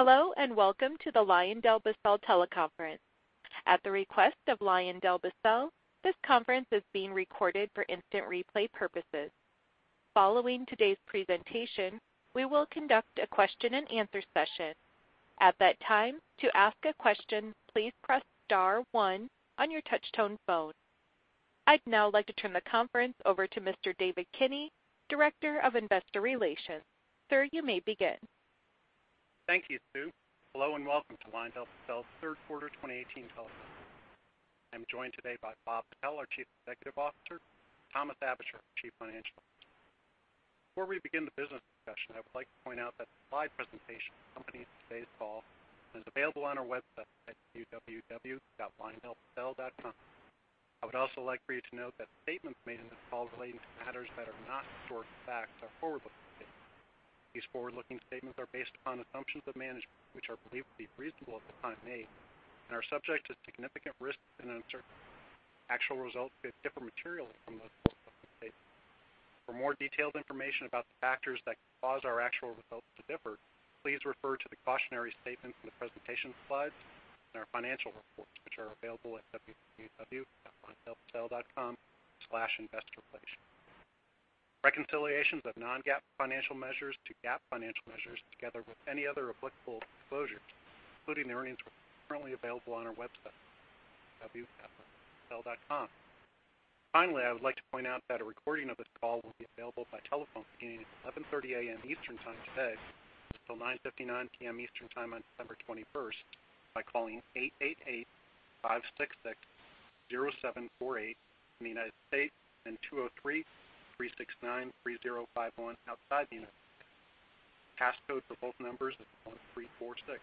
Hello, welcome to the LyondellBasell teleconference. At the request of LyondellBasell, this conference is being recorded for instant replay purposes. Following today's presentation, we will conduct a question and answer session. At that time, to ask a question, please press star one on your touch-tone phone. I'd now like to turn the conference over to Mr. David Kinney, Director of Investor Relations. Sir, you may begin. Thank you, Sue. Hello, welcome to LyondellBasell's third quarter 2018 teleconference. I'm joined today by Bob Patel, our Chief Executive Officer, and Thomas Aebischer, Chief Financial Officer. Before we begin the business discussion, I would like to point out that the slide presentation accompanying today's call is available on our website at www.lyondellbasell.com. I would also like for you to note that statements made in this call relating to matters that are not historical fact are forward-looking statements. These forward-looking statements are based upon assumptions of management, which are believed to be reasonable at the time made, and are subject to significant risks and uncertainties. Actual results could differ materially from those forward-looking statements. For more detailed information about the factors that could cause our actual results to differ, please refer to the cautionary statements in the presentation slides and our financial reports, which are available at www.lyondellbasell.com/investorrelation. Reconciliations of non-GAAP financial measures to GAAP financial measures, together with any other applicable disclosures, including earnings, are currently available on our website, www.lyondellbasell.com. Finally, I would like to point out that a recording of this call will be available by telephone beginning at 11:30 A.M. Eastern time today until 9:59 P.M. Eastern time on December 21st by calling 888-566-0748 from the United States and 203-369-3051 outside the United States. The passcode for both numbers is 1346.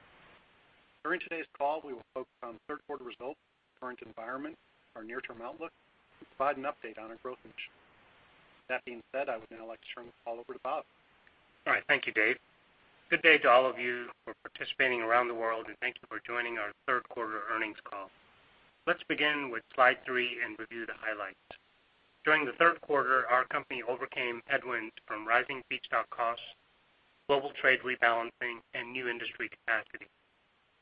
During today's call, we will focus on third quarter results, the current environment, our near-term outlook, and provide an update on our growth initiatives. That being said, I would now like to turn the call over to Bob. All right. Thank you, Dave. Good day to all of you who are participating around the world, thank you for joining our third quarter earnings call. Let's begin with slide three and review the highlights. During the third quarter, our company overcame headwinds from rising feedstock costs, global trade rebalancing, and new industry capacity.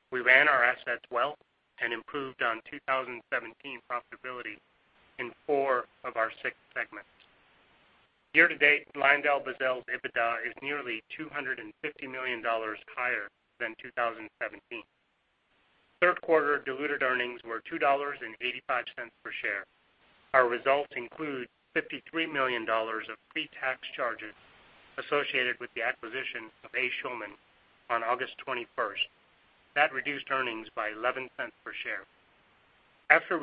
We ran our assets well and improved on 2017 profitability in four of our six segments. Year to date, LyondellBasell's EBITDA is nearly $250 million higher than 2017. Third quarter diluted earnings were $2.85 per share. Our results include $53 million of pre-tax charges associated with the acquisition of A. Schulman on August 21st. That reduced earnings by $0.11 per share. After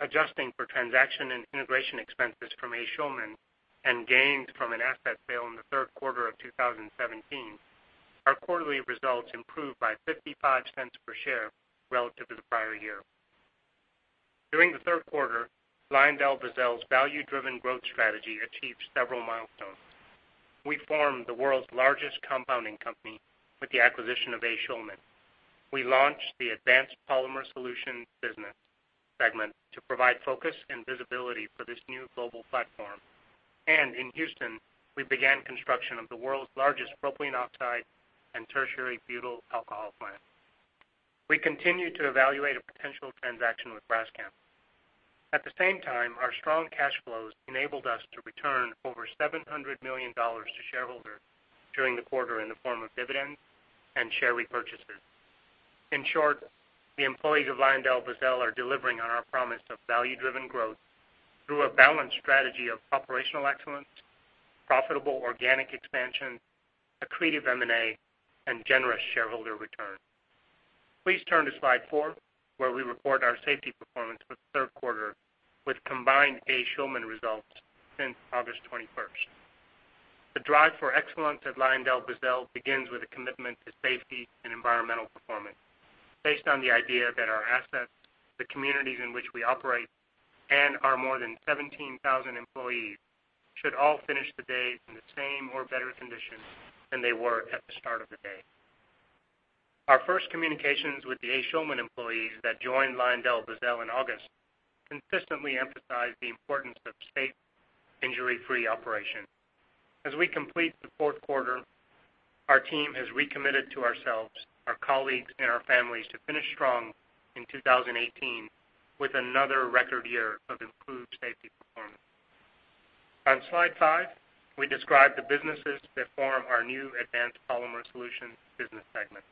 adjusting for transaction and integration expenses from A. Schulman and gains from an asset sale in the third quarter of 2017, our quarterly results improved by $0.55 per share relative to the prior year. During the third quarter, LyondellBasell's value-driven growth strategy achieved several milestones. We formed the world's largest compounding company with the acquisition of A. Schulman. We launched the Advanced Polymer Solutions business segment to provide focus and visibility for this new global platform. In Houston, we began construction of the world's largest propylene oxide and tertiary butyl alcohol plant. We continue to evaluate a potential transaction with Braskem. At the same time, our strong cash flows enabled us to return over $700 million to shareholders during the quarter in the form of dividends and share repurchases. In short, the employees of LyondellBasell are delivering on our promise of value-driven growth through a balanced strategy of operational excellence, profitable organic expansion, accretive M&A, and generous shareholder returns. Please turn to slide four, where we report our safety performance for the third quarter with combined A. Schulman results since August 21st. The drive for excellence at LyondellBasell begins with a commitment to safety and environmental performance based on the idea that our assets, the communities in which we operate, and our more than 17,000 employees should all finish the day in the same or better condition than they were at the start of the day. Our first communications with the A. Schulman employees that joined LyondellBasell in August consistently emphasized the importance of safe, injury-free operation. As we complete the fourth quarter, our team has recommitted to ourselves, our colleagues, and our families to finish strong in 2018 with another record year of improved safety performance. On slide five, we describe the businesses that form our new Advanced Polymer Solutions business segment.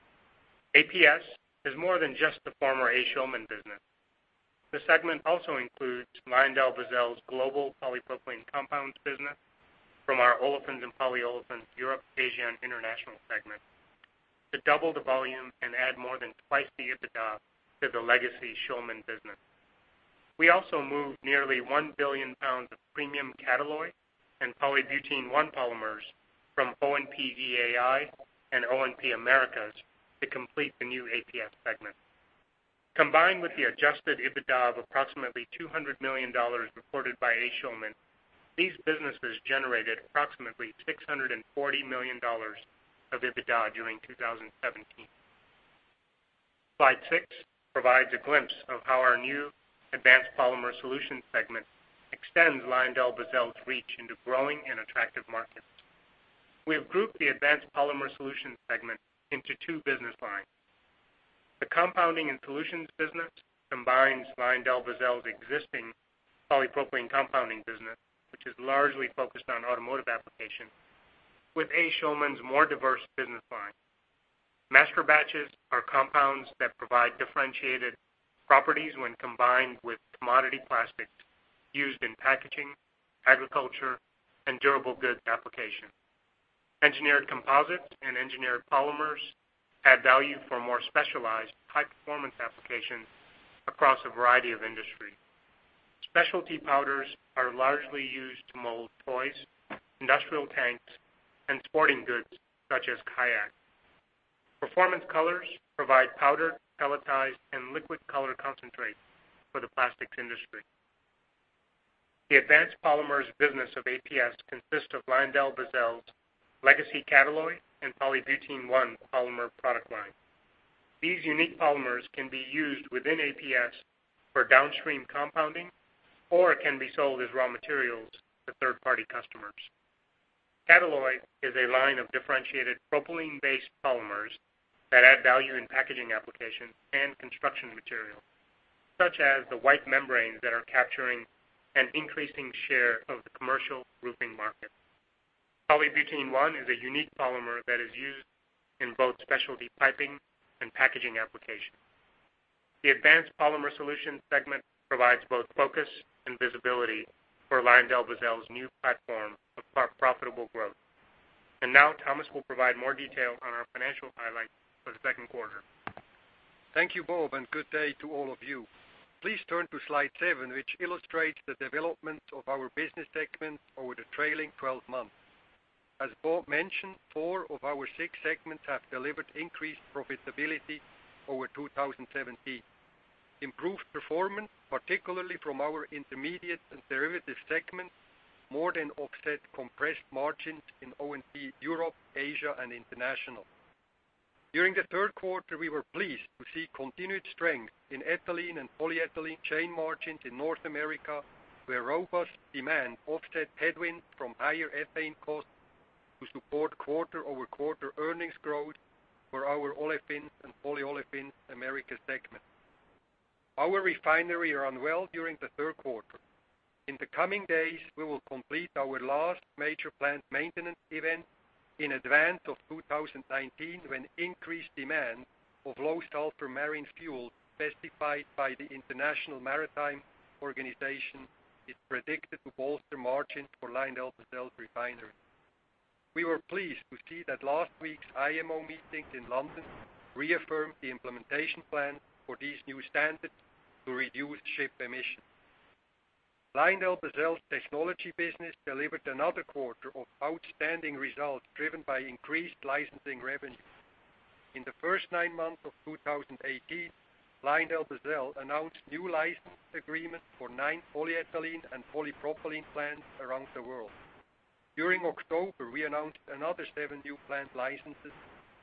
APS is more than just the former A. Schulman business. This segment also includes LyondellBasell's global polypropylene compounds business from our Olefins and Polyolefins—Europe, Asia, International segment to double the volume and add more than twice the EBITDA to the legacy Schulman business. We also moved nearly 1 billion pounds of premium Catalloy and Polybutene-1 polymers from O&P-EAI and O&P-Americas to complete the new APS segment. Combined with the adjusted EBITDA of approximately $200 million reported by A. Schulman, these businesses generated approximately $640 million of EBITDA during 2017. Slide six provides a glimpse of how our new Advanced Polymer Solutions segment extends LyondellBasell's reach into growing and attractive markets. We have grouped the Advanced Polymer Solutions segment into two business lines. The compounding and solutions business combines LyondellBasell's existing polypropylene compounding business, which is largely focused on automotive application, with A. Schulman's more diverse business line. Masterbatches are compounds that provide differentiated properties when combined with commodity plastics used in packaging, agriculture, and durable goods application. Engineered composites and engineered polymers add value for more specialized high-performance applications across a variety of industry. Specialty powders are largely used to mold toys, industrial tanks, and sporting goods such as kayaks. Performance colors provide powder, pelletized, and liquid color concentrates for the plastics industry. The Advanced Polymers business of APS consists of LyondellBasell's legacy Catalloy and Polybutene-1 polymer product line. These unique polymers can be used within APS for downstream compounding, or can be sold as raw materials to third-party customers. Catalloy is a line of differentiated propylene-based polymers that add value in packaging applications and construction material, such as the white membranes that are capturing an increasing share of the commercial roofing market. Polybutene-1 is a unique polymer that is used in both specialty piping and packaging applications. The Advanced Polymer Solutions segment provides both focus and visibility for LyondellBasell's new platform of profitable growth. Thomas will provide more detail on our financial highlights for the second quarter. Thank you, Bob, and good day to all of you. Please turn to slide seven, which illustrates the development of our business segments over the trailing 12 months. As Bob mentioned, four of our six segments have delivered increased profitability over 2017. Improved performance, particularly from our Intermediates and Derivatives segments, more than offset compressed margins in Olefins and Polyolefins—Europe, Asia, International. During the third quarter, we were pleased to see continued strength in ethylene and polyethylene chain margins in North America, where robust demand offset headwinds from higher ethane costs to support quarter-over-quarter earnings growth for our Olefins and Polyolefins—Americas segment. Our refinery run well during the third quarter. In the coming days, we will complete our last major plant maintenance event in advance of 2019, when increased demand of low sulfur marine fuel specified by the International Maritime Organization is predicted to bolster margins for LyondellBasell refinery. We were pleased to see that last week's IMO meetings in London reaffirmed the implementation plan for these new standards to reduce ship emissions. LyondellBasell's technology business delivered another quarter of outstanding results driven by increased licensing revenue. In the first nine months of 2018, LyondellBasell announced new license agreements for nine polyethylene and polypropylene plants around the world. During October, we announced another seven new plant licenses,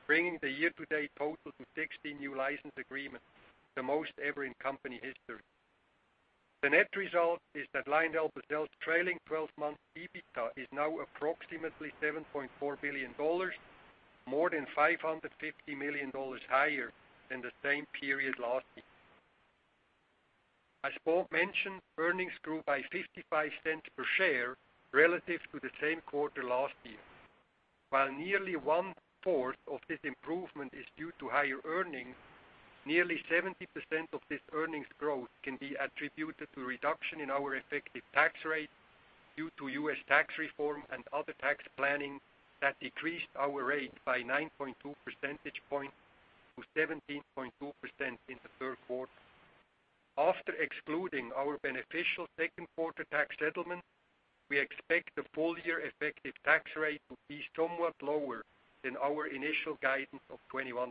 bringing the year-to-date total to 16 new license agreements, the most ever in company history. The net result is that LyondellBasell's trailing 12-month EBITDA is now approximately $7.4 billion, more than $550 million higher than the same period last year. As Bob mentioned, earnings grew by $0.55 per share relative to the same quarter last year. While nearly one-fourth of this improvement is due to higher earnings, nearly 70% of this earnings growth can be attributed to a reduction in our effective tax rate due to U.S. tax reform and other tax planning that decreased our rate by 9.2 percentage points to 17.2% in the third quarter. After excluding our beneficial second quarter tax settlement, we expect the full-year effective tax rate to be somewhat lower than our initial guidance of 21%.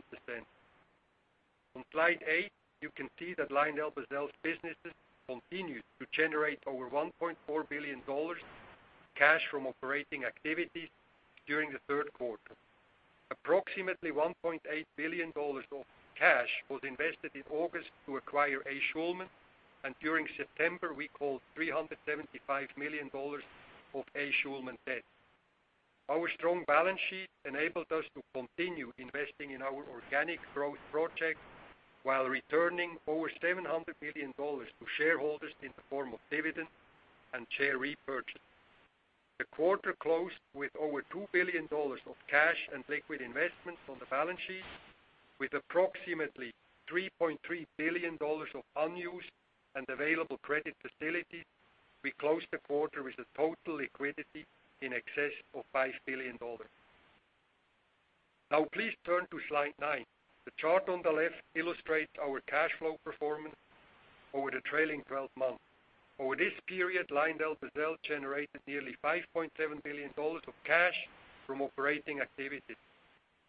On slide eight, you can see that LyondellBasell's businesses continued to generate over $1.4 billion cash from operating activities during the third quarter. Approximately $1.8 billion of cash was invested in August to acquire A. Schulman, and during September, we called $375 million of A. Schulman debt. Our strong balance sheet enabled us to continue investing in our organic growth projects while returning over $700 million to shareholders in the form of dividends and share repurchase. The quarter closed with over $2 billion of cash and liquid investments on the balance sheet. With approximately $3.3 billion of unused and available credit facilities, we closed the quarter with a total liquidity in excess of $5 billion. Please turn to slide nine. The chart on the left illustrates our cash flow performance over the trailing 12-month. Over this period, LyondellBasell generated nearly $5.7 billion of cash from operating activities.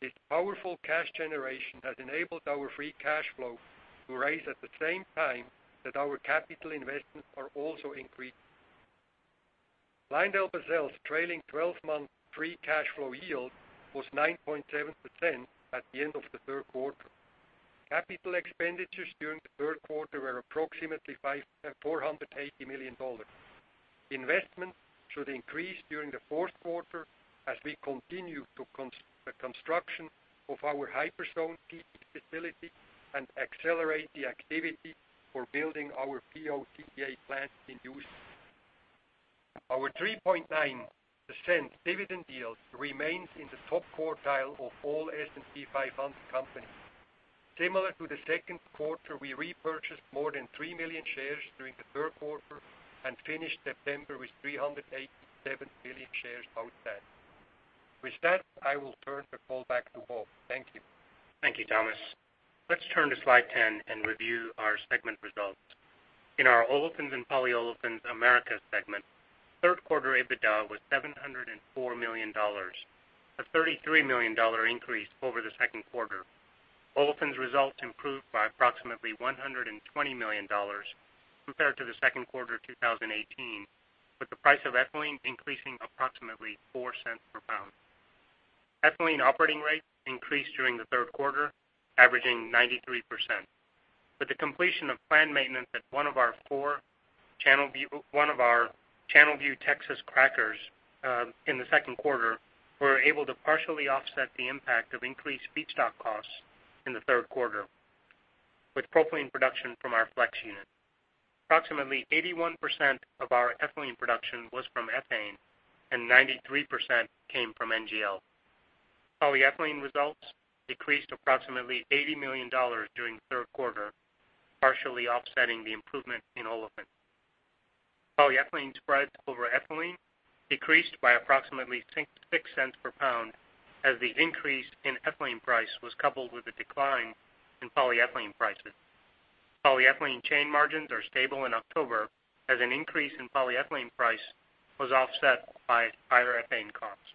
This powerful cash generation has enabled our free cash flow to rise at the same time that our capital investments are also increasing. LyondellBasell's trailing 12-month free cash flow yield was 9.7% at the end of the third quarter. Capital expenditures during the third quarter were approximately $480 million. Investments should increase during the fourth quarter as we continue the construction of our Hyperzone PE facility and accelerate the activity for building our PO/TBA plant in Houston. Our 3.9% dividend yield remains in the top quartile of all S&P 500 companies. Similar to the second quarter, we repurchased more than 3 million shares during the third quarter and finished September with 387 million shares outstanding. I will turn the call back to Bob. Thank you, Thomas. Thank you, Thomas. Let's turn to slide 10 and review our segment results. In our Olefins and Polyolefins—Americas segment, third quarter EBITDA was $704 million, a $33 million increase over the second quarter. Olefins results improved by approximately $120 million compared to the second quarter 2018, with the price of ethylene increasing approximately $0.04 per pound. Ethylene operating rates increased during the third quarter, averaging 93%. With the completion of planned maintenance at one of our Channelview, Texas crackers in the second quarter, we were able to partially offset the impact of increased feedstock costs in the third quarter with propylene production from our flex unit. Approximately 81% of our ethylene production was from ethane, and 93% came from NGL. Polyethylene results decreased approximately $80 million during the third quarter, partially offsetting the improvement in olefins. Polyethylene spreads over ethylene decreased by approximately $0.06 per pound as the increase in ethylene price was coupled with a decline in polyethylene prices. Polyethylene chain margins are stable in October as an increase in polyethylene price was offset by higher ethane costs.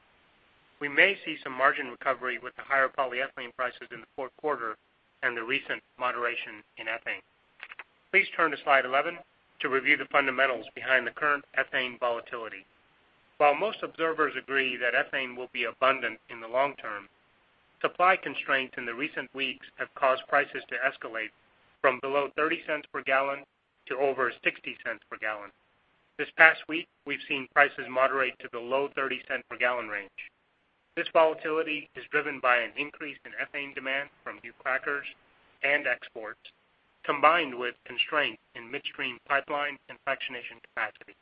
We may see some margin recovery with the higher polyethylene prices in the fourth quarter and the recent moderation in ethane. Please turn to slide 11 to review the fundamentals behind the current ethane volatility. While most observers agree that ethane will be abundant in the long term, supply constraints in the recent weeks have caused prices to escalate from below $0.30 per gallon to over $0.60 per gallon. This past week, we've seen prices moderate to below $0.30 per gallon range. This volatility is driven by an increase in ethane demand from new crackers and exports, combined with constraints in midstream pipeline and fractionation capacity.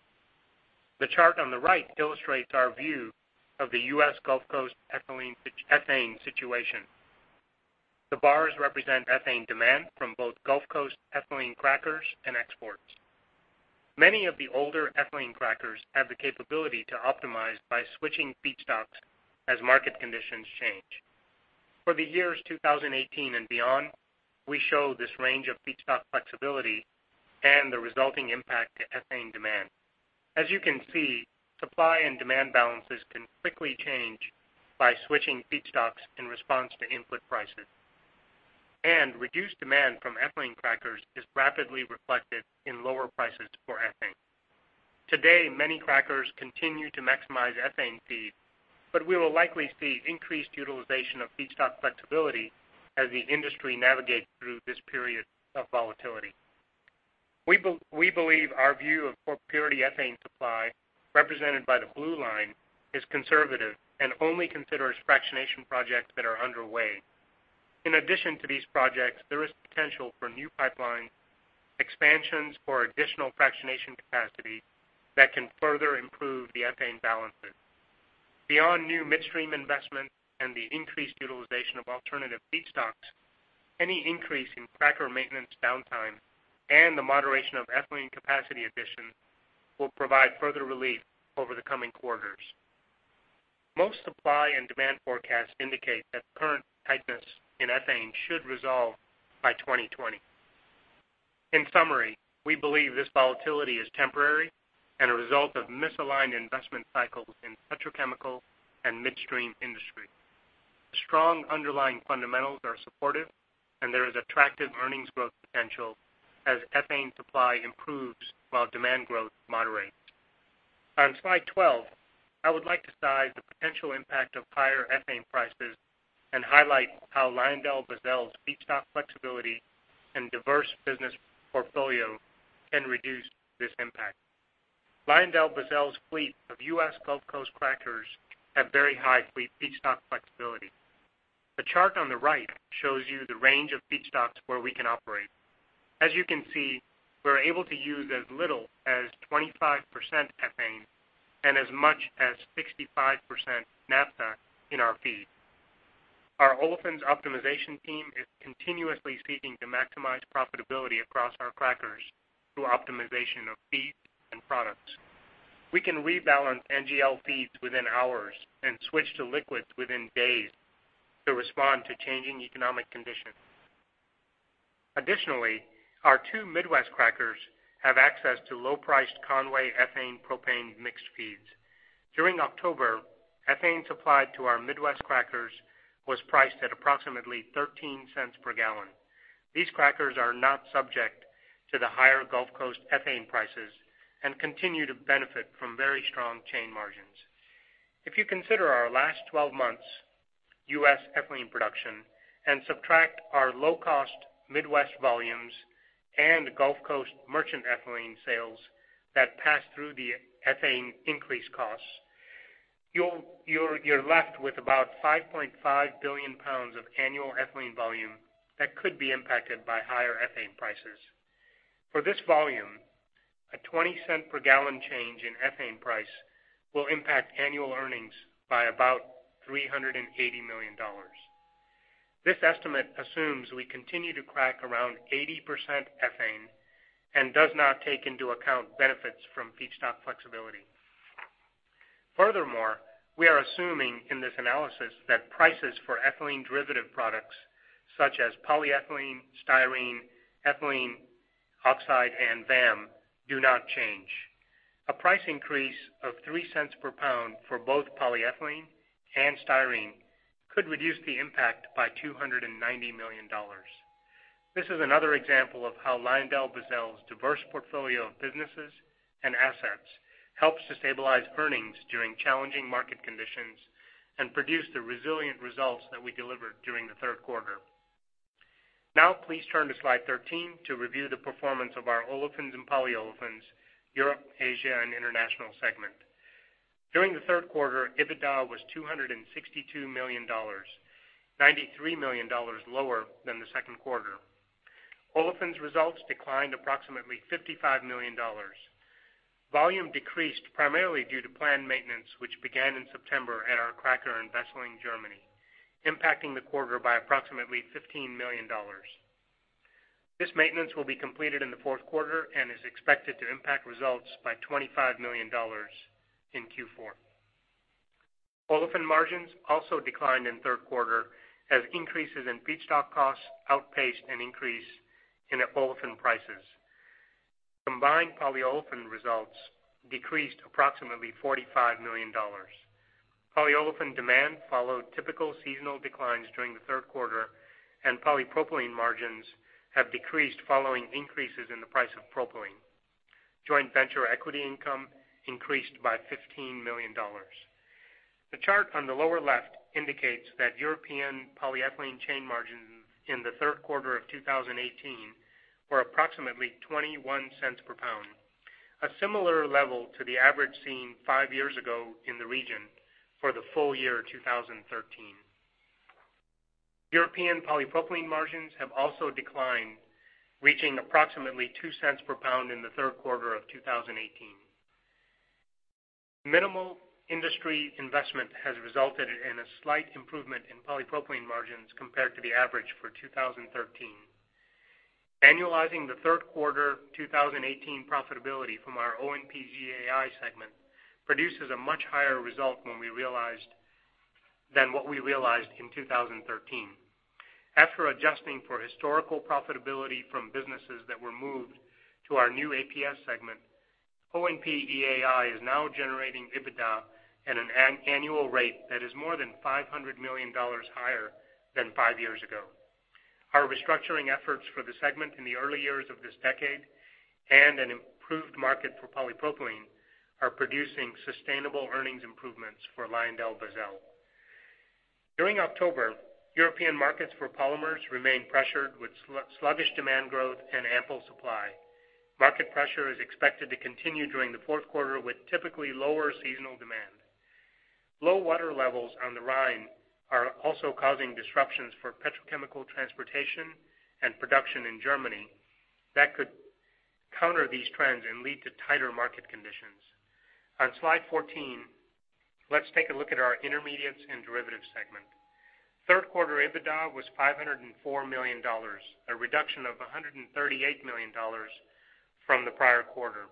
The chart on the right illustrates our view of the U.S. Gulf Coast ethane situation. The bars represent ethane demand from both Gulf Coast ethylene crackers and exports. Many of the older ethylene crackers have the capability to optimize by switching feedstocks as market conditions change. For the years 2018 and beyond, we show this range of feedstock flexibility and the resulting impact to ethane demand. As you can see, supply and demand balances can quickly change by switching feedstocks in response to input prices. Reduced demand from ethylene crackers is rapidly reflected in lower prices for ethane. Today, many crackers continue to maximize ethane feed, but we will likely see increased utilization of feedstock flexibility as the industry navigates through this period of volatility. We believe our view of purity ethane supply, represented by the blue line, is conservative and only considers fractionation projects that are underway. In addition to these projects, there is potential for new pipeline expansions or additional fractionation capacity that can further improve the ethane balances. Beyond new midstream investments and the increased utilization of alternative feedstocks, any increase in cracker maintenance downtime and the moderation of ethylene capacity additions will provide further relief over the coming quarters. Most supply and demand forecasts indicate that the current tightness in ethane should resolve by 2020. In summary, we believe this volatility is temporary and a result of misaligned investment cycles in petrochemical and midstream industry. Strong underlying fundamentals are supportive, and there is attractive earnings growth potential as ethane supply improves while demand growth moderates. On slide 12, I would like to size the potential impact of higher ethane prices and highlight how LyondellBasell's feedstock flexibility and diverse business portfolio can reduce this impact. LyondellBasell's fleet of U.S. Gulf Coast crackers have very high feedstock flexibility. The chart on the right shows you the range of feedstocks where we can operate. As you can see, we're able to use as little as 25% ethane and as much as 65% naphtha in our feed. Our Olefins optimization team is continuously seeking to maximize profitability across our crackers through optimization of feeds and products. We can rebalance NGL feeds within hours and switch to liquids within days to respond to changing economic conditions. Additionally, our two Midwest crackers have access to low-priced Conway ethane propane mixed feeds. During October, ethane supplied to our Midwest crackers was priced at approximately $0.13 per gallon. These crackers are not subject to the higher Gulf Coast ethane prices and continue to benefit from very strong chain margins. If you consider our last 12 months' U.S. ethylene production and subtract our low-cost Midwest volumes and Gulf Coast merchant ethylene sales that pass through the ethane increase costs, you're left with about 5.5 billion pounds of annual ethylene volume that could be impacted by higher ethane prices. For this volume, a $0.20 per gallon change in ethane price will impact annual earnings by about $380 million. This estimate assumes we continue to crack around 80% ethane and does not take into account benefits from feedstock flexibility. We are assuming in this analysis that prices for ethylene derivative products such as polyethylene, styrene, ethylene oxide, and VAM do not change. A price increase of $0.03 per pound for both polyethylene and styrene could reduce the impact by $290 million. This is another example of how LyondellBasell's diverse portfolio of businesses and assets helps to stabilize earnings during challenging market conditions and produce the resilient results that we delivered during the third quarter. Now please turn to slide 13 to review the performance of our Olefins and Polyolefins—Europe, Asia, International segment. During the third quarter, EBITDA was $262 million, $93 million lower than the second quarter. Olefins results declined approximately $55 million. Volume decreased primarily due to planned maintenance, which began in September at our cracker in Wesseling, Germany, impacting the quarter by approximately $15 million. This maintenance will be completed in the fourth quarter and is expected to impact results by $25 million in Q4. Olefin margins also declined in third quarter as increases in feedstock costs outpaced an increase in olefin prices. Combined polyolefin results decreased approximately $45 million. Polyolefin demand followed typical seasonal declines during the third quarter, and polypropylene margins have decreased following increases in the price of propylene. Joint venture equity income increased by $15 million. The chart on the lower left indicates that European polyethylene chain margins in the third quarter of 2018 were approximately $0.21 per pound, a similar level to the average seen five years ago in the region for the full year 2013. European polypropylene margins have also declined, reaching approximately $0.02 per pound in the third quarter of 2018. Minimal industry investment has resulted in a slight improvement in polypropylene margins compared to the average for 2013. Annualizing the third quarter 2018 profitability from our O&P-EAI segment produces a much higher result than what we realized in 2013. After adjusting for historical profitability from businesses that were moved to our new APS segment, O&P-EAI is now generating EBITDA at an annual rate that is more than $500 million higher than five years ago. Our restructuring efforts for the segment in the early years of this decade and an improved market for polypropylene are producing sustainable earnings improvements for LyondellBasell. During October, European markets for polymers remained pressured with sluggish demand growth and ample supply. Market pressure is expected to continue during the fourth quarter with typically lower seasonal demand. Low water levels on the Rhine are also causing disruptions for petrochemical transportation and production in Germany that could counter these trends and lead to tighter market conditions. On slide 14, let's take a look at our Intermediates and Derivatives segment. Third quarter EBITDA was $504 million, a reduction of $138 million from the prior quarter.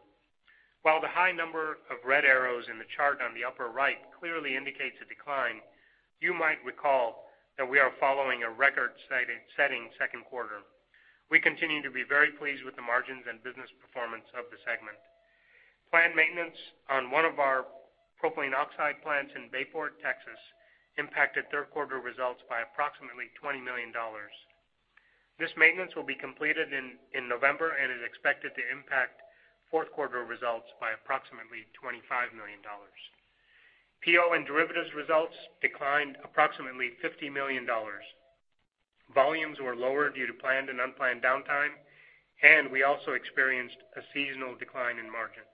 While the high number of red arrows in the chart on the upper right clearly indicates a decline, you might recall that we are following a record-setting second quarter. We continue to be very pleased with the margins and business performance of the segment. Planned maintenance on one of our propylene oxide plants in Bayport, Texas impacted third quarter results by approximately $20 million. This maintenance will be completed in November and is expected to impact fourth quarter results by approximately $25 million. PO and derivatives results declined approximately $50 million. Volumes were lower due to planned and unplanned downtime, and we also experienced a seasonal decline in margins.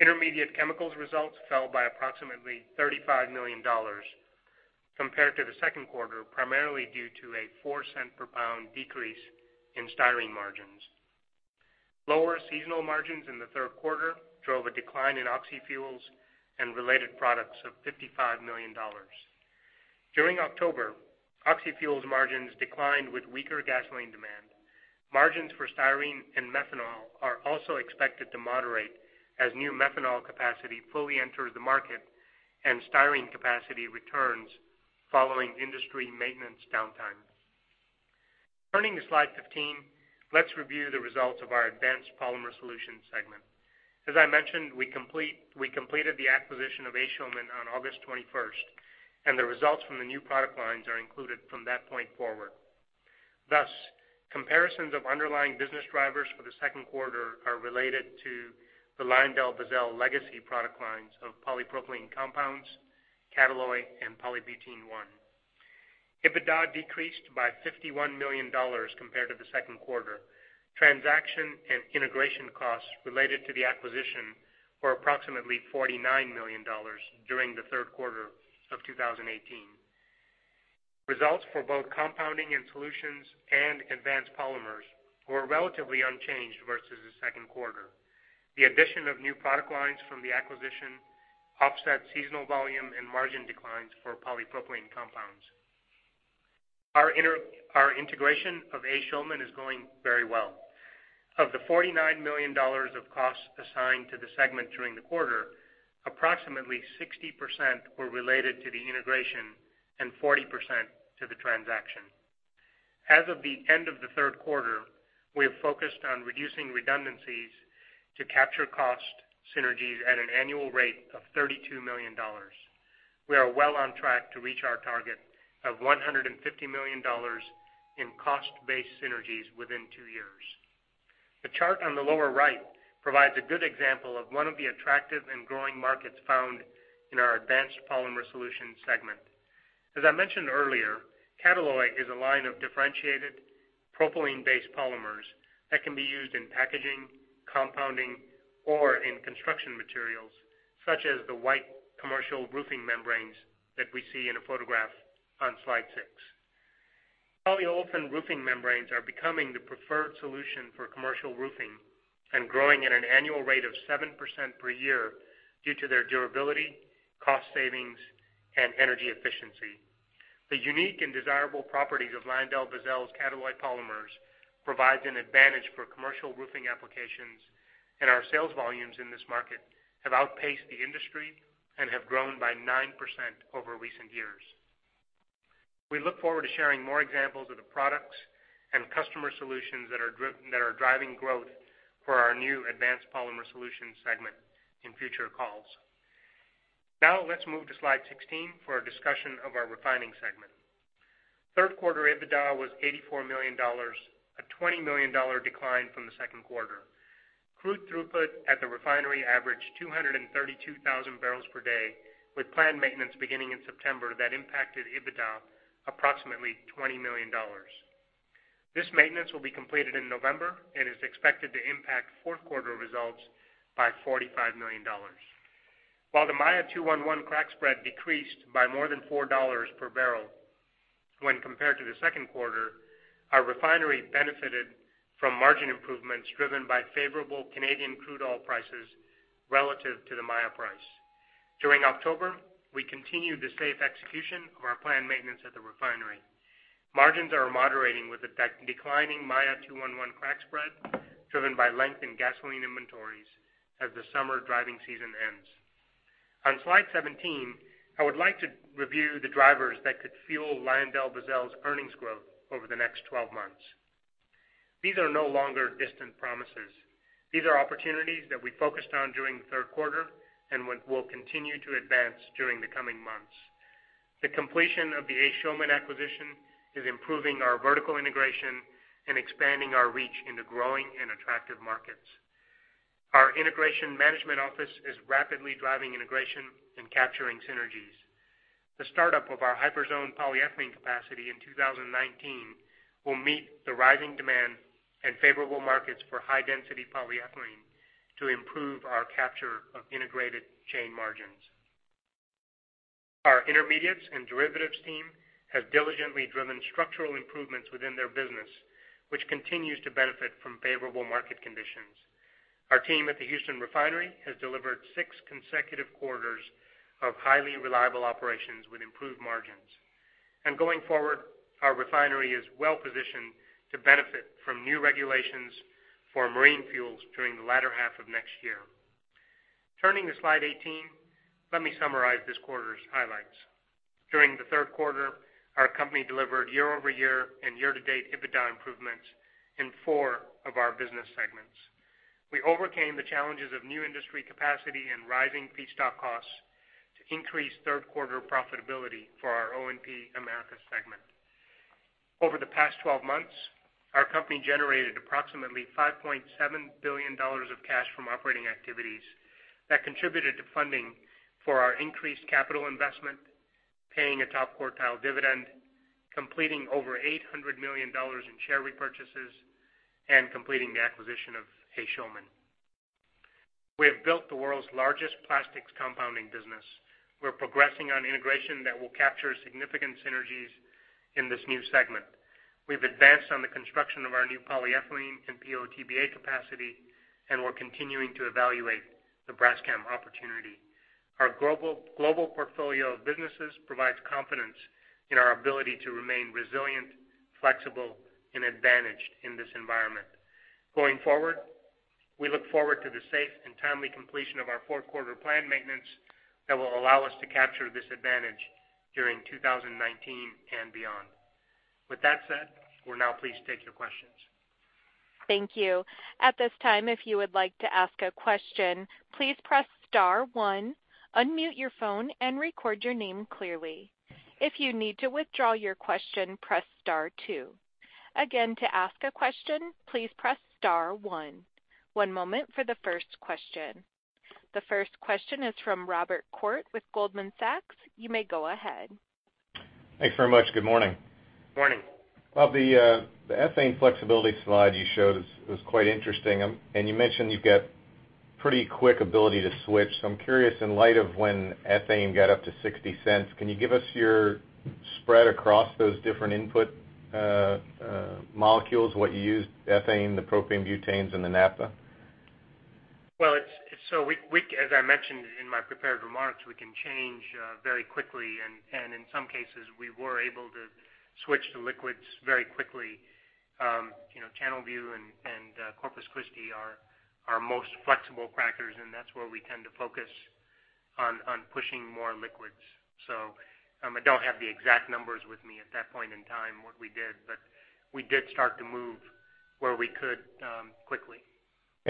Intermediate chemicals results fell by approximately $35 million compared to the second quarter, primarily due to a $0.04 per pound decrease in styrene margins. Lower seasonal margins in the third quarter drove a decline in oxyfuels and related products of $55 million. During October, oxyfuels margins declined with weaker gasoline demand. Margins for styrene and methanol are also expected to moderate as new methanol capacity fully enters the market and styrene capacity returns following industry maintenance downtime. Turning to slide 15, let's review the results of our Advanced Polymer Solutions segment. As I mentioned, we completed the acquisition of A. Schulman on August 21st, and the results from the new product lines are included from that point forward. Thus, comparisons of underlying business drivers for the second quarter are related to the LyondellBasell legacy product lines of polypropylene compounds, Catalloy, and Polybutene-1. EBITDA decreased by $51 million compared to the second quarter. Transaction and integration costs related to the acquisition were approximately $49 million during the third quarter of 2018. Results for both compounding and solutions and advanced polymers were relatively unchanged versus the second quarter. The addition of new product lines from the acquisition offset seasonal volume and margin declines for polypropylene compounds. Our integration of A. Schulman is going very well. Of the $49 million of costs assigned to the segment during the quarter, approximately 60% were related to the integration and 40% to the transaction. As of the end of the third quarter, we have focused on reducing redundancies to capture cost synergies at an annual rate of $32 million. We are well on track to reach our target of $150 million in cost-based synergies within two years. The chart on the lower right provides a good example of one of the attractive and growing markets found in our Advanced Polymer Solutions segment. As I mentioned earlier, Catalloy is a line of differentiated propylene-based polymers that can be used in packaging, compounding, or in construction materials, such as the white commercial roofing membranes that we see in a photograph on slide six. Polyolefin roofing membranes are becoming the preferred solution for commercial roofing and growing at an annual rate of 7% per year due to their durability, cost savings, and energy efficiency. The unique and desirable properties of LyondellBasell's Catalloy polymers provides an advantage for commercial roofing applications, and our sales volumes in this market have outpaced the industry and have grown by 9% over recent years. We look forward to sharing more examples of the products and customer solutions that are driving growth for our new Advanced Polymer Solutions segment in future calls. Now let's move to slide 16 for a discussion of our refining segment. Third quarter EBITDA was $84 million, a $20 million decline from the second quarter. Crude throughput at the refinery averaged 232,000 barrels per day, with planned maintenance beginning in September that impacted EBITDA approximately $20 million. This maintenance will be completed in November and is expected to impact fourth quarter results by $45 million. While the Maya 2-1-1 crack spread decreased by more than $4 per barrel when compared to the second quarter, our refinery benefited from margin improvements driven by favorable Canadian crude oil prices relative to the Maya price. During October, we continued the safe execution of our planned maintenance at the refinery. Margins are moderating with a declining Maya 2-1-1 crack spread driven by length in gasoline inventories as the summer driving season ends. On slide 17, I would like to review the drivers that could fuel LyondellBasell's earnings growth over the next 12 months. These are no longer distant promises. These are opportunities that we focused on during the third quarter and will continue to advance during the coming months. The completion of the A. Schulman acquisition is improving our vertical integration and expanding our reach into growing and attractive markets. Our integration management office is rapidly driving integration and capturing synergies. The startup of our Hyperzone polyethylene capacity in 2019 will meet the rising demand and favorable markets for high-density polyethylene to improve our capture of integrated chain margins. Our Intermediates and Derivatives team has diligently driven structural improvements within their business, which continues to benefit from favorable market conditions. Our team at the Houston refinery has delivered six consecutive quarters of highly reliable operations with improved margins. Going forward, our refinery is well positioned to benefit from new regulations for marine fuels during the latter half of next year. Turning to slide 18, let me summarize this quarter's highlights. During the third quarter, our company delivered year-over-year and year-to-date EBITDA improvements in four of our business segments. We overcame the challenges of new industry capacity and rising feedstock costs to increase third quarter profitability for our O&P-Americas segment. Over the past 12 months, our company generated approximately $5.7 billion of cash from operating activities that contributed to funding for our increased capital investment, paying a top-quartile dividend, completing over $800 million in share repurchases, and completing the acquisition of A. Schulman. We have built the world's largest plastics compounding business. We're progressing on integration that will capture significant synergies in this new segment. We've advanced on the construction of our new polyethylene and PO/TBA capacity. We're continuing to evaluate the Braskem opportunity. Our global portfolio of businesses provides confidence in our ability to remain resilient, flexible, and advantaged in this environment. Going forward, we look forward to the safe and timely completion of our fourth quarter planned maintenance that will allow us to capture this advantage during 2019 and beyond. With that said, we're now pleased to take your questions. Thank you. At this time, if you would like to ask a question, please press star one, unmute your phone and record your name clearly. If you need to withdraw your question, press star two. Again, to ask a question, please press star one. One moment for the first question. The first question is from Robert Koort with Goldman Sachs. You may go ahead. Thanks very much. Good morning. Morning. Bob, the ethane flexibility slide you showed was quite interesting, and you mentioned you've got pretty quick ability to switch. I'm curious in light of when ethane got up to $0.60, can you give us your spread across those different input molecules, what you used, ethane, the propane butanes and the naphtha? As I mentioned in my prepared remarks, we can change very quickly and in some cases, we were able to switch to liquids very quickly. Channelview and Corpus Christi are our most flexible crackers, and that's where we tend to focus on pushing more liquids. I don't have the exact numbers with me at that point in time what we did, but we did start to move where we could, quickly.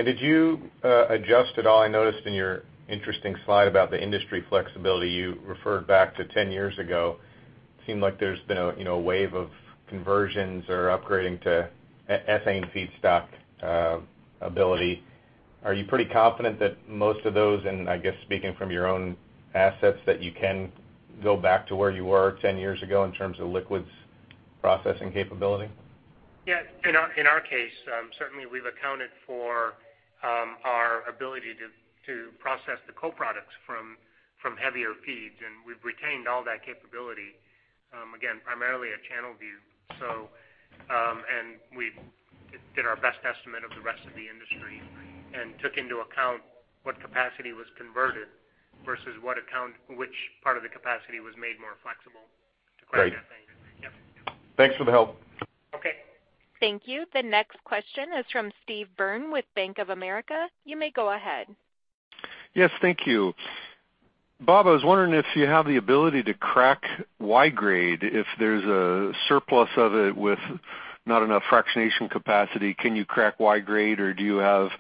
Did you adjust at all? I noticed in your interesting slide about the industry flexibility, you referred back to 10 years ago. Seemed like there's been a wave of conversions or upgrading to ethane feedstock ability. Are you pretty confident that most of those, and I guess speaking from your own assets, that you can go back to where you were 10 years ago in terms of liquids processing capability? Yeah. In our case, certainly we've accounted for our ability to process the co-products from heavier feeds. We've retained all that capability, again, primarily at Channelview. We did our best estimate of the rest of the industry and took into account what capacity was converted versus which part of the capacity was made more flexible to crack ethane. Great. Yep. Thanks for the help. Okay. Thank you. The next question is from Steve Byrne with Bank of America. You may go ahead. Yes, thank you. Bob, I was wondering if you have the ability to crack Y-grade if there's a surplus of it with not enough fractionation capacity. Can you crack Y-grade or do you have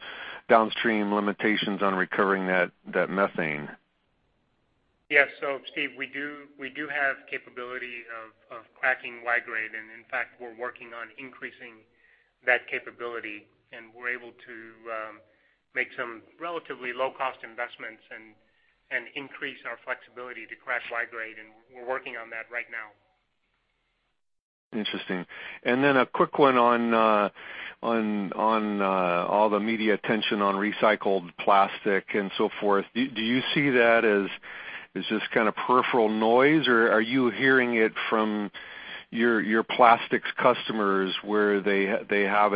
downstream limitations on recovering that methane? Yeah. Steve, we do have capability of cracking Y-grade, and in fact, we're working on increasing that capability and we're able to make some relatively low-cost investments and increase our flexibility to crack Y-grade, and we're working on that right now. Interesting. Then a quick one on all the media attention on recycled plastic and so forth. Do you see that as this kind of peripheral noise, or are you hearing it from your plastics customers where they have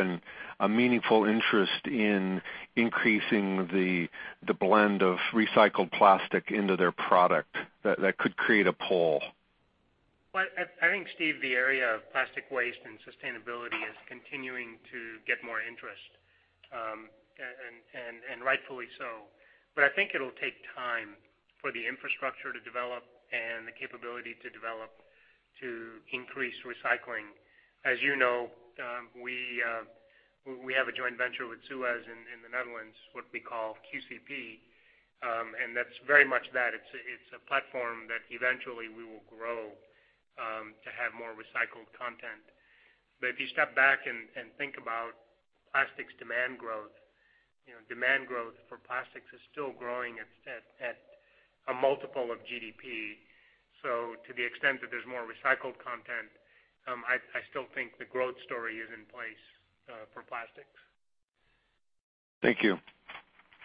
a meaningful interest in increasing the blend of recycled plastic into their product that could create a pull? Well, I think Steve, the area of plastic waste and sustainability is continuing to get more interest. Rightfully so. I think it'll take time for the infrastructure to develop and the capability to develop to increase recycling. As you know, we have a joint venture with Suez in the Netherlands, what we call QCP. That's very much that. It's a platform that eventually we will grow to have more recycled content. If you step back and think about plastics demand growth, demand growth for plastics is still growing at a multiple of GDP. To the extent that there's more recycled content, I still think the growth story is in place for plastics. Thank you.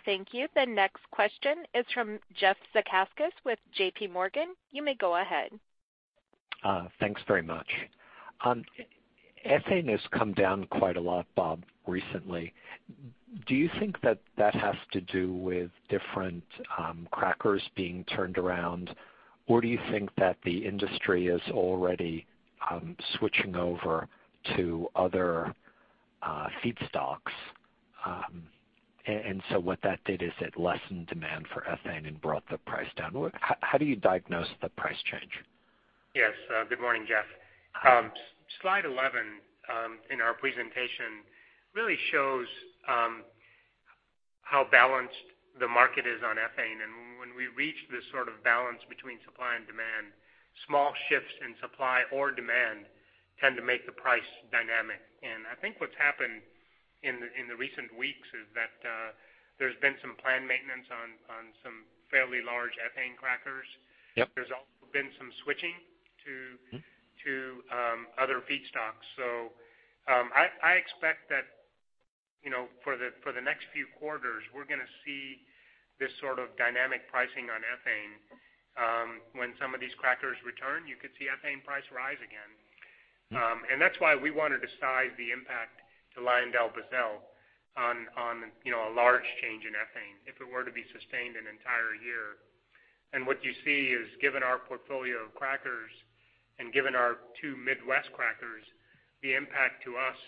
Thank you. The next question is from Jeff Zekas with J.P. Morgan. You may go ahead. Thanks very much. Ethane has come down quite a lot, Bob, recently. Do you think that that has to do with different crackers being turned around, or do you think that the industry is already switching over to other feedstocks? What that did is it lessened demand for ethane and brought the price down. How do you diagnose the price change? Yes. Good morning, Jeff. Slide 11 in our presentation really shows how balanced the market is on ethane. When we reach this sort of balance between supply and demand, small shifts in supply or demand tend to make the price dynamic. I think what's happened in the recent weeks is that there's been some planned maintenance on some fairly large ethane crackers. Yep. There's also been some switching to other feedstocks. I expect that for the next few quarters, we're going to see this sort of dynamic pricing on ethane. When some of these crackers return, you could see ethane price rise again. That's why we wanted to size the impact to LyondellBasell on a large change in ethane if it were to be sustained an entire year. What you see is, given our portfolio of crackers and given our two Midwest crackers, the impact to us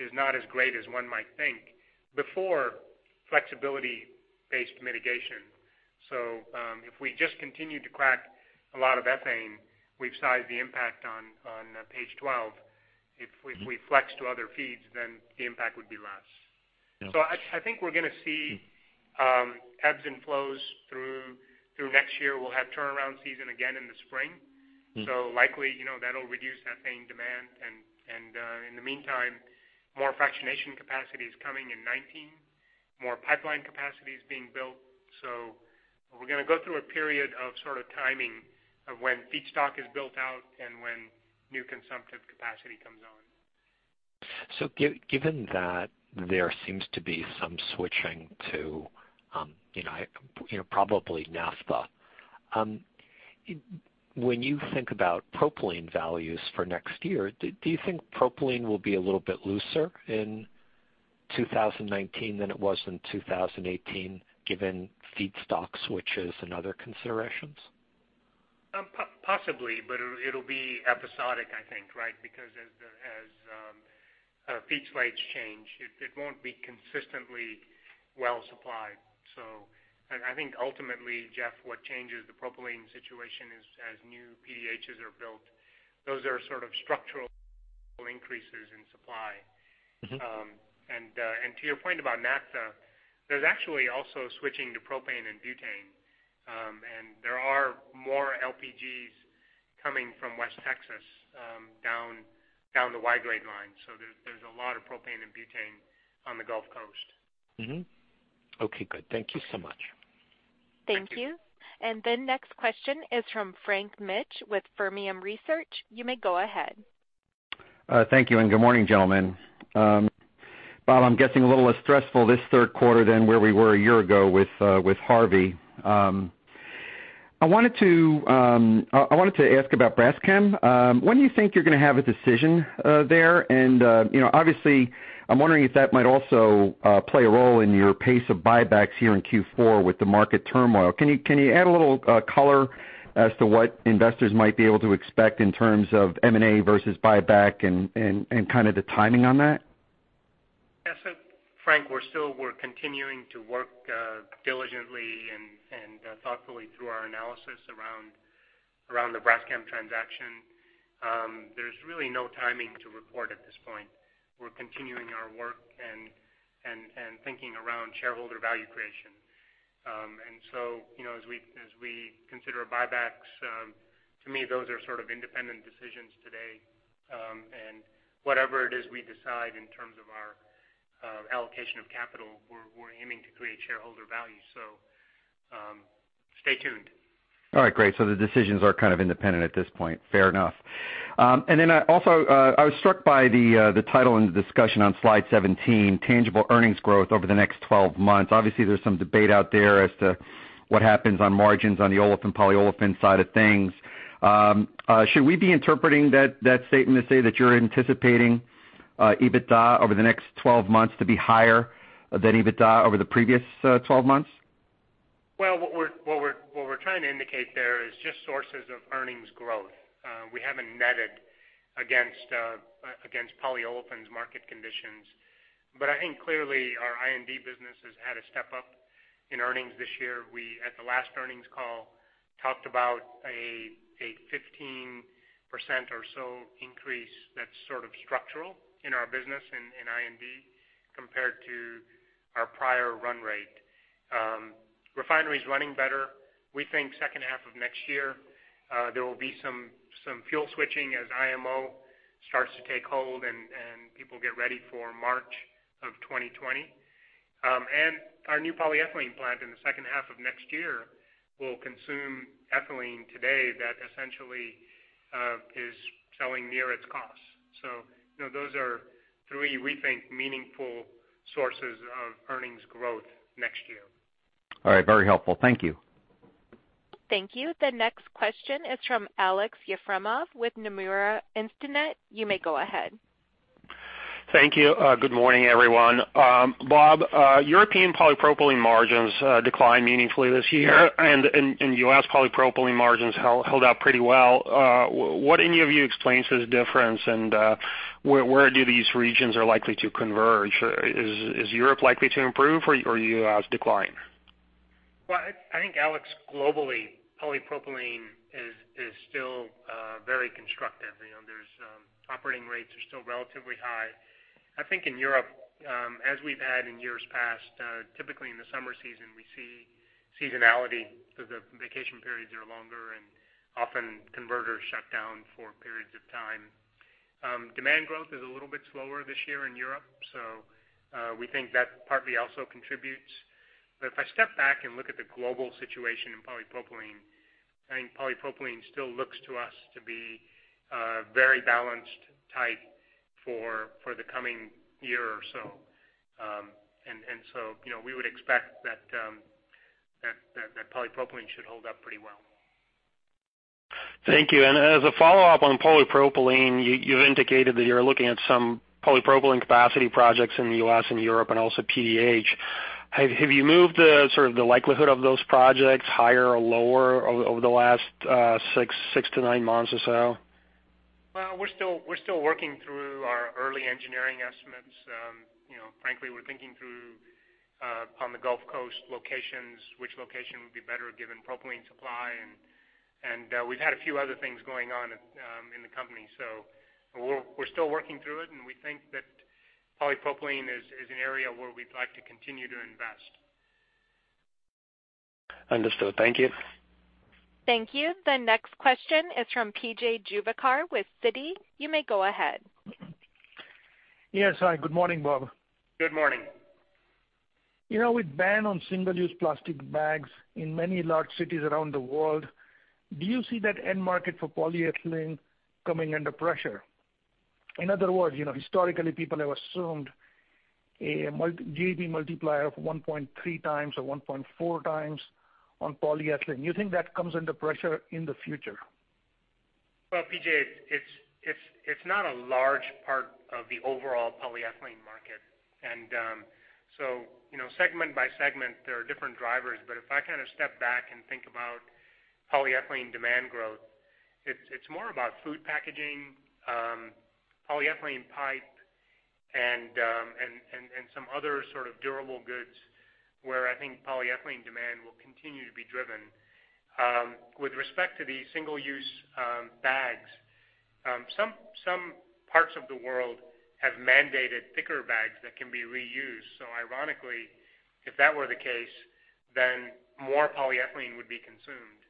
is not as great as one might think before flexibility-based mitigation. If we just continue to crack a lot of ethane, we've sized the impact on page 12. If we flex to other feeds, then the impact would be less. Yes. I think we're going to see ebbs and flows through next year. We'll have turnaround season again in the spring. Likely, that'll reduce ethane demand and, in the meantime, more fractionation capacity is coming in 2019. More pipeline capacity is being built. We're going to go through a period of sort of timing of when feedstock is built out and when new consumptive capacity comes on. Given that there seems to be some switching to probably naphtha, when you think about propylene values for next year, do you think propylene will be a little bit looser in 2019 than it was in 2018 given feedstock switches and other considerations? Possibly, it'll be episodic, I think, right? Because as feed slides change, it won't be consistently well supplied. I think ultimately, Jeff, what changes the propylene situation is as new PDHs are built. Those are sort of structural increases in supply. To your point about naphtha, there's actually also switching to propane and butane. There are more LPGs coming from West Texas down the Y-grade line. There's a lot of propane and butane on the Gulf Coast. Okay, good. Thank you so much. Thank you. Thank you. The next question is from Frank Mitsch with Fermium Research. You may go ahead. Thank you. Good morning, gentlemen. Bob, I'm guessing a little less stressful this third quarter than where we were a year ago with Hurricane Harvey. I wanted to ask about Braskem. When do you think you're going to have a decision there? Obviously, I'm wondering if that might also play a role in your pace of buybacks here in Q4 with the market turmoil. Can you add a little color as to what investors might be able to expect in terms of M&A versus buyback and kind of the timing on that? Frank, we're continuing to work diligently and thoughtfully through our analysis around the Braskem transaction. There's really no timing to report at this point. We're continuing our work and thinking around shareholder value creation. As we consider buybacks, to me, those are sort of independent decisions today. Whatever it is we decide in terms of our allocation of capital, we're aiming to create shareholder value. Stay tuned. All right, great. The decisions are kind of independent at this point. Fair enough. Also, I was struck by the title and the discussion on slide 17, tangible earnings growth over the next 12 months. Obviously, there's some debate out there as to what happens on margins on the olefin/polyolefin side of things. Should we be interpreting that statement to say that you're anticipating EBITDA over the next 12 months to be higher than EBITDA over the previous 12 months? What we're trying to indicate there is just sources of earnings growth. We haven't netted against polyolefins market conditions. I think clearly our I&D business has had a step up in earnings this year. We, at the last earnings call, talked about a 15% or so increase that's sort of structural in our business in I&D compared to our prior run rate. Refinery's running better. We think second half of next year there will be some fuel switching as IMO starts to take hold and people get ready for March of 2020. Our new polyethylene plant in the second half of next year will consume ethylene today that essentially is selling near its cost. Those are three, we think, meaningful sources of earnings growth next year. All right. Very helpful. Thank you. Thank you. The next question is from Aleksey Yefremov with Nomura Instinet. You may go ahead. Thank you. Good morning, everyone. Bob, European polypropylene margins declined meaningfully this year. U.S. polypropylene margins held up pretty well. What, any of you, explains this difference, and where do these regions are likely to converge? Is Europe likely to improve or U.S. decline? Well, I think, Alex, globally, polypropylene is still very constructive. Operating rates are still relatively high. I think in Europe, as we've had in years past, typically in the summer season, we see seasonality because the vacation periods are longer and often converters shut down for periods of time. Demand growth is a little bit slower this year in Europe, so we think that partly also contributes. But if I step back and look at the global situation in polypropylene, I think polypropylene still looks to us to be very balanced tight for the coming year or so. So we would expect that polypropylene should hold up pretty well. Thank you. As a follow-up on polypropylene, you've indicated that you're looking at some polypropylene capacity projects in the U.S. and Europe and also PDH. Have you moved the likelihood of those projects higher or lower over the last six to nine months or so? Well, we're still working through our early engineering estimates. Frankly, we're thinking through on the Gulf Coast locations, which location would be better given propylene supply, and we've had a few other things going on in the company. We're still working through it, and we think that polypropylene is an area where we'd like to continue to invest. Understood. Thank you. Thank you. The next question is from P.J. Juvekar with Citi. You may go ahead. Yes. Hi, good morning, Bob. Good morning. With ban on single-use plastic bags in many large cities around the world, do you see that end market for polyethylene coming under pressure? In other words, historically people have assumed a GDP multiplier of 1.3 times or 1.4 times on polyethylene. Do you think that comes under pressure in the future? Well, PJ, it's not a large part of the overall polyethylene market. Segment by segment, there are different drivers. If I step back and think about polyethylene demand growth, it's more about food packaging, polyethylene pipe, and some other sort of durable goods where I think polyethylene demand will continue to be driven. With respect to the single-use bags, some parts of the world have mandated thicker bags that can be reused. Ironically, if that were the case, then more polyethylene would be consumed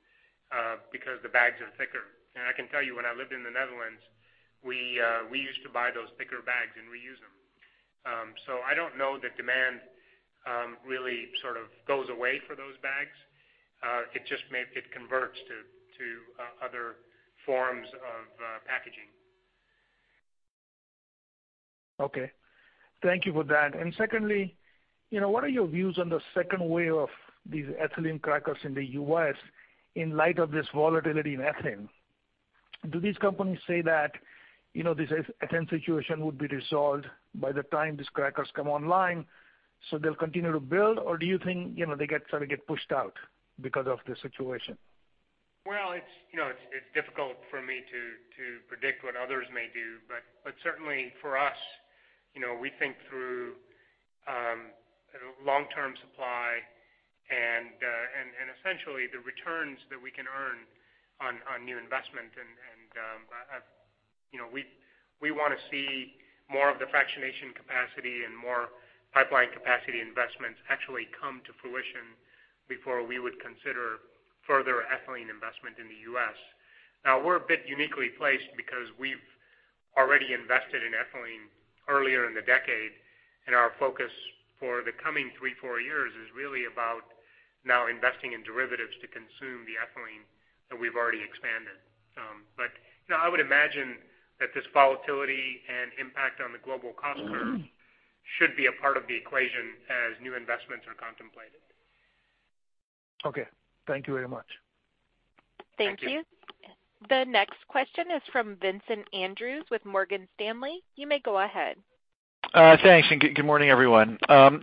because the bags are thicker. I can tell you, when I lived in the Netherlands, we used to buy those thicker bags and reuse them. I don't know that demand really sort of goes away for those bags. It just may get converged to other forms of packaging. Secondly, what are your views on the second wave of these ethylene crackers in the U.S. in light of this volatility in ethane? Do these companies say that this ethane situation would be resolved by the time these crackers come online, so they'll continue to build, or do you think they sort of get pushed out because of the situation? It's difficult for me to predict what others may do. Certainly for us, we think through long-term supply and essentially the returns that we can earn on new investment. We want to see more of the fractionation capacity and more pipeline capacity investments actually come to fruition before we would consider further ethylene investment in the U.S. We're a bit uniquely placed because we've already invested in ethylene earlier in the decade, and our focus for the coming three, four years is really about now investing in derivatives to consume the ethylene that we've already expanded. I would imagine that this volatility and impact on the global cost curve should be a part of the equation as new investments are contemplated. Okay. Thank you very much. Thank you. Thank you. The next question is from Vincent Andrews with Morgan Stanley. You may go ahead. Thanks, good morning, everyone.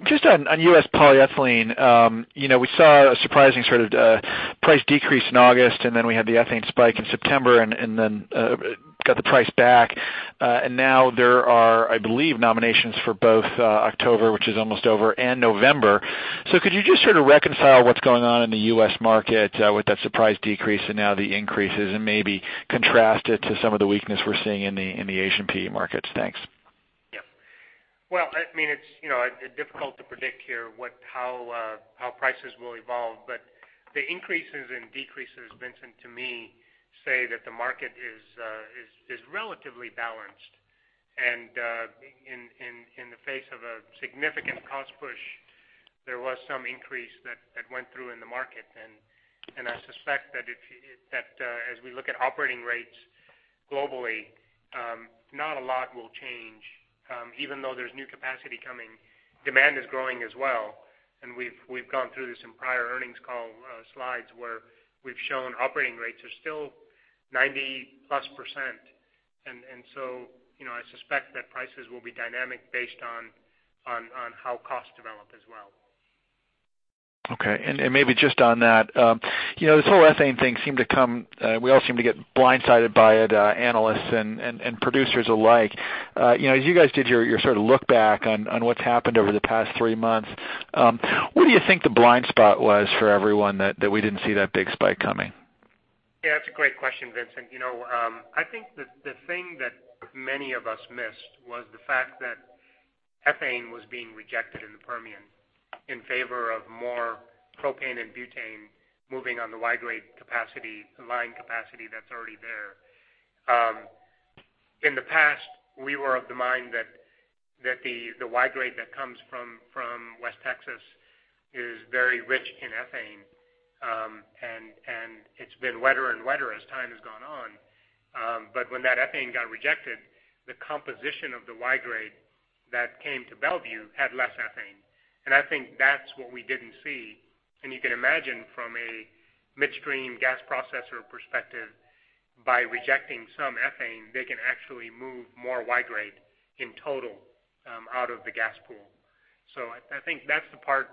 Just on U.S. polyethylene. We saw a surprising sort of price decrease in August. Then we had the ethane spike in September, then got the price back. Now there are, I believe, nominations for both October, which is almost over, and November. Could you just sort of reconcile what's going on in the U.S. market with that surprise decrease and now the increases, and maybe contrast it to some of the weakness we're seeing in the Asian PE markets? Thanks. Well, it's difficult to predict here how prices will evolve. The increases and decreases, Vincent, to me, say that the market is relatively balanced. In the face of a significant cost push, there was some increase that went through in the market. I suspect that as we look at operating rates globally, not a lot will change. Even though there's new capacity coming, demand is growing as well, and we've gone through this in prior earnings call slides where we've shown operating rates are still 90+%. I suspect that prices will be dynamic based on how costs develop as well. Okay. Maybe just on that. This whole ethane thing we all seem to get blindsided by it, analysts and producers alike. As you guys did your sort of look back on what's happened over the past three months, what do you think the blind spot was for everyone that we didn't see that big spike coming? Yeah, that's a great question, Vincent. I think that the thing that many of us missed was the fact that ethane was being rejected in the Permian in favor of more propane and butane moving on the Y-grade capacity, the line capacity that's already there. In the past, we were of the mind that the Y-grade that comes from West Texas is very rich in ethane. It's been wetter and wetter as time has gone on. When that ethane got rejected, the composition of the Y-grade that came to Mont Belvieu had less ethane. I think that's what we didn't see. You can imagine from a midstream gas processor perspective, by rejecting some ethane, they can actually move more Y-grade in total out of the gas pool. I think that's the part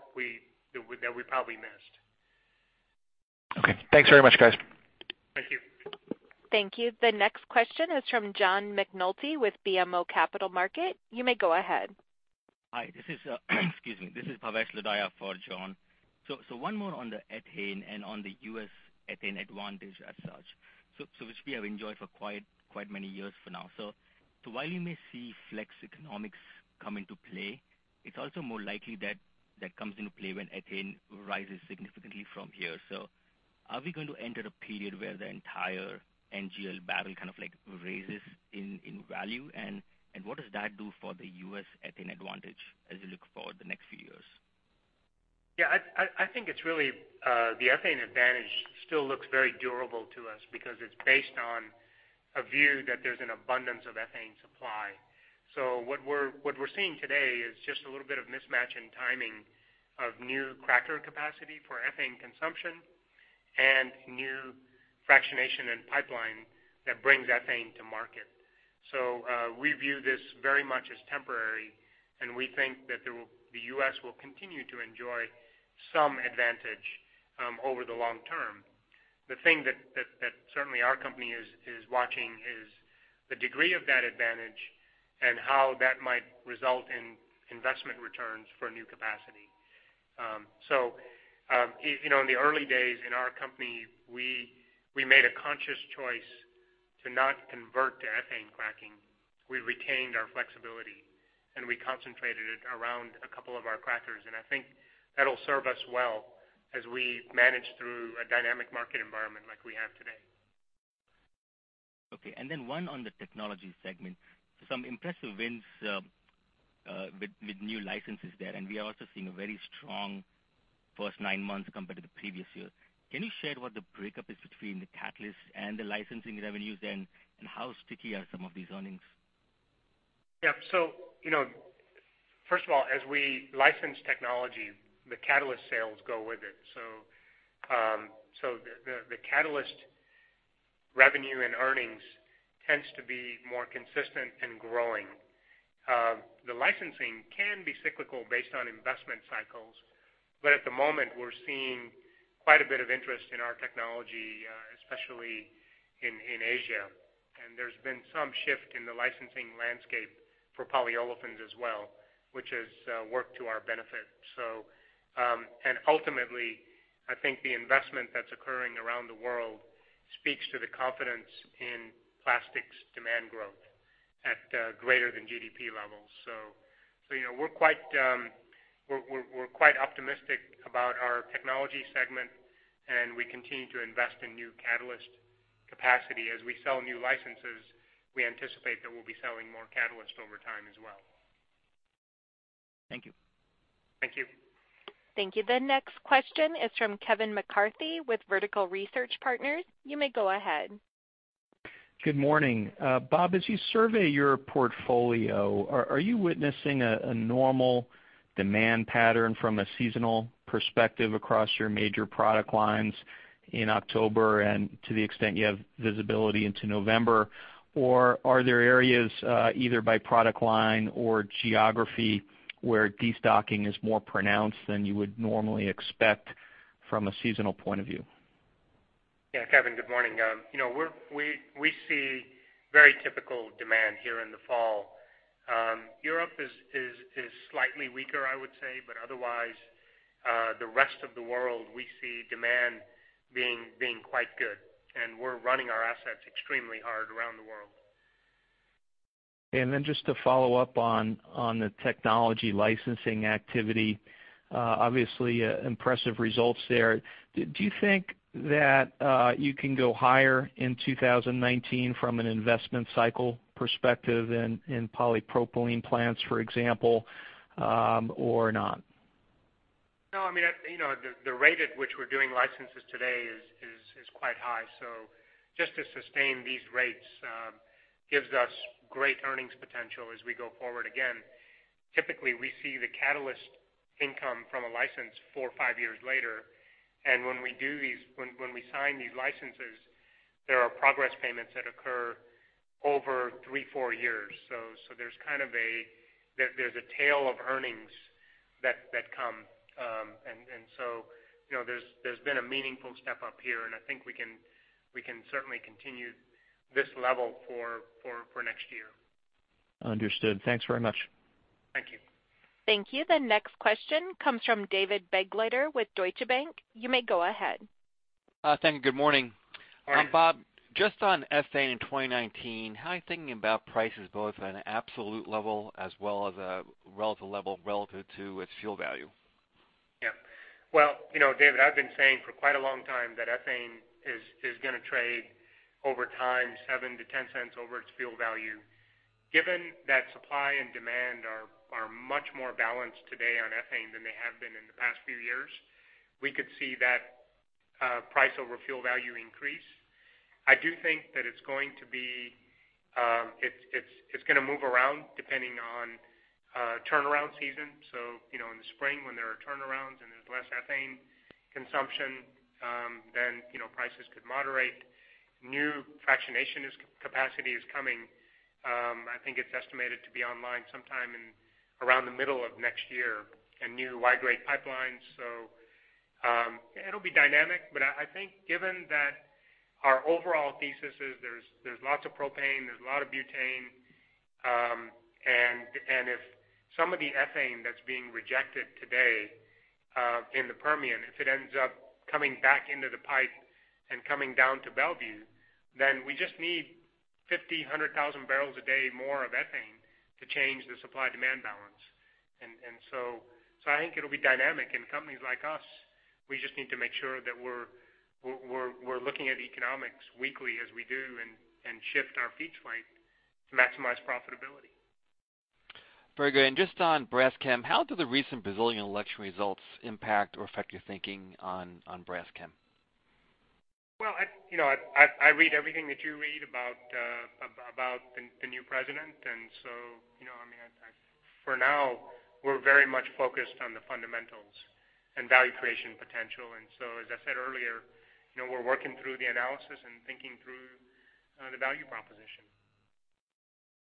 that we probably missed. Okay. Thanks very much, guys. Thank you. Thank you. The next question is from John McNulty with BMO Capital Markets. You may go ahead. Hi, this is excuse me. This is Bhavesh Lodaya for John. One more on the ethane and on the U.S. ethane advantage as such. Which we have enjoyed for quite many years now. While you may see flex economics come into play, it's also more likely that comes into play when ethane rises significantly from here. Are we going to enter a period where the entire NGL barrel kind of raises in value? What does that do for the U.S. ethane advantage as we look forward the next few years? Yeah, I think the ethane advantage still looks very durable to us because it's based on a view that there's an abundance of ethane supply. What we're seeing today is just a little bit of mismatch in timing of new cracker capacity for ethane consumption and new fractionation and pipeline that brings ethane to market. We view this very much as temporary, and we think that the U.S. will continue to enjoy some advantage over the long term. The thing that certainly our company is watching is the degree of that advantage and how that might result in investment returns for new capacity. In the early days in our company, we made a conscious choice to not convert to ethane cracking. We retained our flexibility, and we concentrated it around a couple of our crackers, and I think that'll serve us well as we manage through a dynamic market environment like we have today. Okay, one on the technology segment. Some impressive wins with new licenses there, we are also seeing a very strong first nine months compared to the previous year. Can you share what the breakup is between the catalyst and the licensing revenues then, how sticky are some of these earnings? First of all, as we license technology, the catalyst sales go with it. The catalyst revenue and earnings tends to be more consistent and growing. The licensing can be cyclical based on investment cycles. At the moment, we're seeing quite a bit of interest in our technology, especially in Asia. There's been some shift in the licensing landscape for polyolefins as well, which has worked to our benefit. Ultimately, I think the investment that's occurring around the world speaks to the confidence in plastics demand growth at greater than GDP levels. We're quite optimistic about our technology segment, and we continue to invest in new catalyst capacity. As we sell new licenses, we anticipate that we'll be selling more catalyst over time as well. Thank you. Thank you. Thank you. The next question is from Kevin McCarthy with Vertical Research Partners. You may go ahead. Good morning. Bob, as you survey your portfolio, are you witnessing a normal demand pattern from a seasonal perspective across your major product lines in October and to the extent you have visibility into November, or are there areas, either by product line or geography, where destocking is more pronounced than you would normally expect from a seasonal point of view? Yeah, Kevin, good morning. We see very typical demand here in the fall. Otherwise, the rest of the world, we see demand being quite good. We're running our assets extremely hard around the world. Then just to follow up on the technology licensing activity. Obviously, impressive results there. Do you think that you can go higher in 2019 from an investment cycle perspective in polypropylene plants, for example, or not? No. The rate at which we're doing licenses today is quite high. Just to sustain these rates gives us great earnings potential as we go forward. Again, typically, we see the catalyst income from a license four or five years later. When we sign these licenses, there are progress payments that occur over three, four years. There's a tail of earnings that come. So there's been a meaningful step up here. I think we can certainly continue this level for next year. Understood. Thanks very much. Thank you. Thank you. The next question comes from David Begleiter with Deutsche Bank. You may go ahead. Thank you. Good morning. Hi. Bob, just on ethane in 2019, how are you thinking about prices both at an absolute level as well as a relative level relative to its fuel value? Well, David, I've been saying for quite a long time that ethane is going to trade over time $0.07-$0.10 over its fuel value. Given that supply and demand are much more balanced today on ethane than they have been in the past few years. We could see that price over fuel value increase. I do think that it's going to move around depending on turnaround season. In the spring when there are turnarounds and there's less ethane consumption, then prices could moderate. New fractionation capacity is coming. I think it's estimated to be online sometime in around the middle of next year, a new Y-grade pipeline. It'll be dynamic, but I think given that our overall thesis is there's lots of propane, there's a lot of butane. If some of the ethane that's being rejected today in the Permian, if it ends up coming back into the pipe and coming down to Mont Belvieu, then we just need 50,000, 100,000 barrels a day more of ethane to change the supply-demand balance. I think it'll be dynamic. Companies like us, we just need to make sure that we're looking at economics weekly as we do and shift our feed type to maximize profitability. Very good. Just on Braskem, how do the recent Brazilian election results impact or affect your thinking on Braskem? I read everything that you read about the new president. For now, we're very much focused on the fundamentals and value creation potential. As I said earlier, we're working through the analysis and thinking through the value proposition.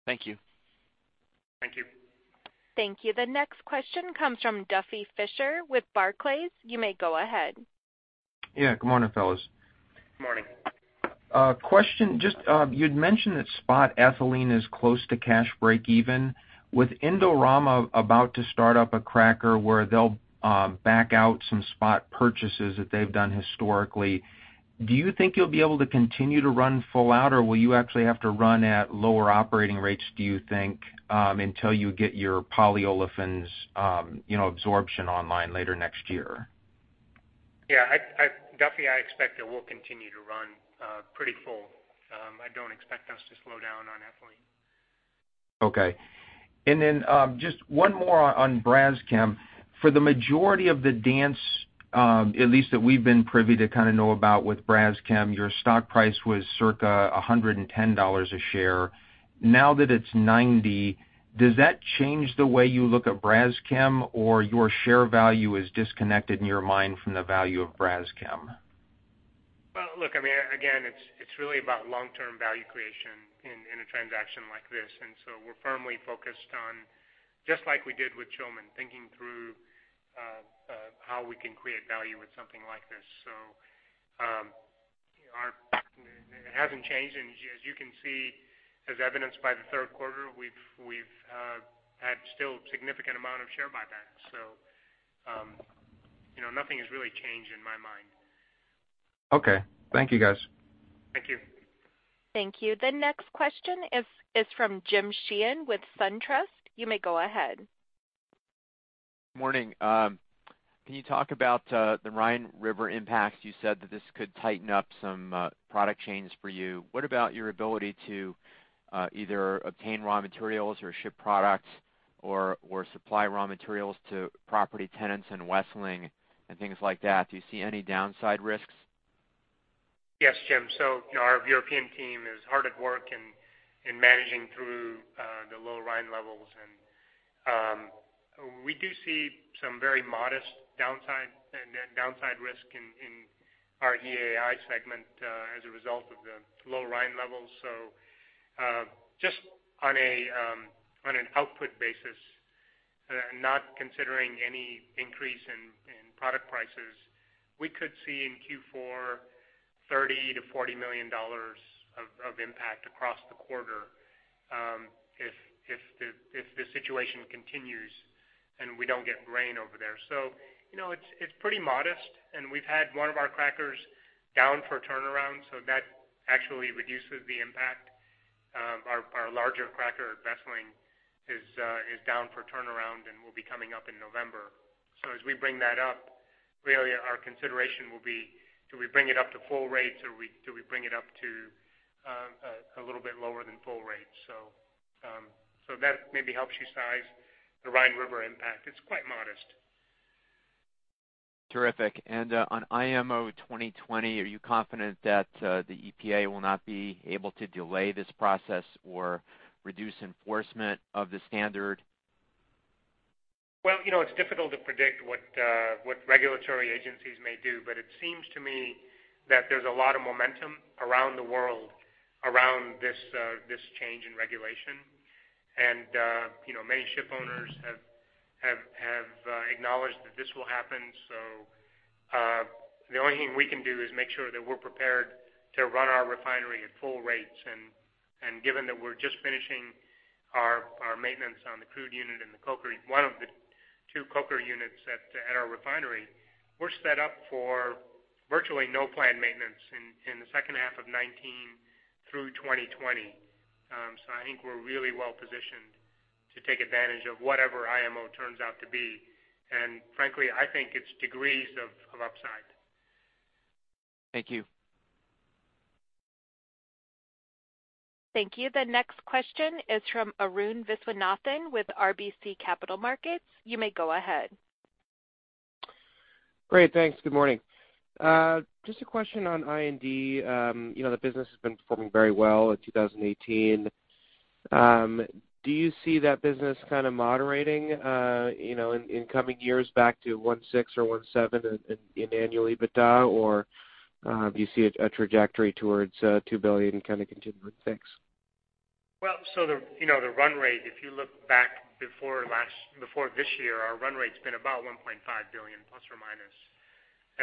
Thank you. Thank you. Thank you. The next question comes from Duffy Fischer with Barclays. You may go ahead. Yeah. Good morning, fellas. Morning. You'd mentioned that spot ethylene is close to cash breakeven. With Indorama about to start up a cracker where they'll back out some spot purchases that they've done historically, do you think you'll be able to continue to run full out or will you actually have to run at lower operating rates, do you think, until you get your polyolefins absorption online later next year? Yeah. Duffy, I expect that we'll continue to run pretty full. I don't expect us to slow down on ethylene. Okay. Just one more on Braskem. For the majority of the dance, at least that we've been privy to kind of know about with Braskem, your stock price was circa $110 a share. Now that it's $90, does that change the way you look at Braskem, or your share value is disconnected in your mind from the value of Braskem? Well, look, again, it's really about long-term value creation in a transaction like this. We're firmly focused on, just like we did with Schulman, thinking through how we can create value with something like this. It hasn't changed. As you can see, as evidenced by the third quarter, we've had still significant amount of share buyback. Nothing has really changed in my mind. Okay. Thank you, guys. Thank you. Thank you. The next question is from Jim Sheehan with SunTrust. You may go ahead. Morning. Can you talk about the Rhine River impact? You said that this could tighten up some product chains for you. What about your ability to either obtain raw materials or ship products or supply raw materials to property tenants in Wesseling and things like that? Do you see any downside risks? Yes, Jim. Our European team is hard at work in managing through the low Rhine levels. We do see some very modest downside risk in our EAI segment as a result of the low Rhine levels. Just on an output basis, not considering any increase in product prices, we could see in Q4, $30 million to $40 million of impact across the quarter if the situation continues and we don't get rain over there. It's pretty modest, and we've had one of our crackers down for turnaround, that actually reduces the impact. Our larger cracker at Wesseling is down for turnaround and will be coming up in November. As we bring that up, really our consideration will be, do we bring it up to full rates or do we bring it up to a little bit lower than full rates? That maybe helps you size the Rhine River impact. It's quite modest. Terrific. On IMO 2020, are you confident that the EPA will not be able to delay this process or reduce enforcement of the standard? It's difficult to predict what regulatory agencies may do, but it seems to me that there's a lot of momentum around the world around this change in regulation. Many ship owners have acknowledged that this will happen. The only thing we can do is make sure that we're prepared to run our refinery at full rates. Given that we're just finishing our maintenance on the crude unit and one of the two coker units at our refinery, we're set up for virtually no planned maintenance in the second half of 2019 through 2020. I think we're really well positioned to take advantage of whatever IMO turns out to be. Frankly, I think it's degrees of upside. Thank you. Thank you. The next question is from Arun Viswanathan with RBC Capital Markets. You may go ahead. Great. Thanks. Good morning. Just a question on I&D. The business has been performing very well in 2018. Do you see that business kind of moderating, in coming years back to $1.6 billion or $1.7 billion in annual EBITDA? Or do you see a trajectory towards $2 billion kind of continuing? Thanks. The run rate, if you look back before this year, our run rate's been about $1.5 billion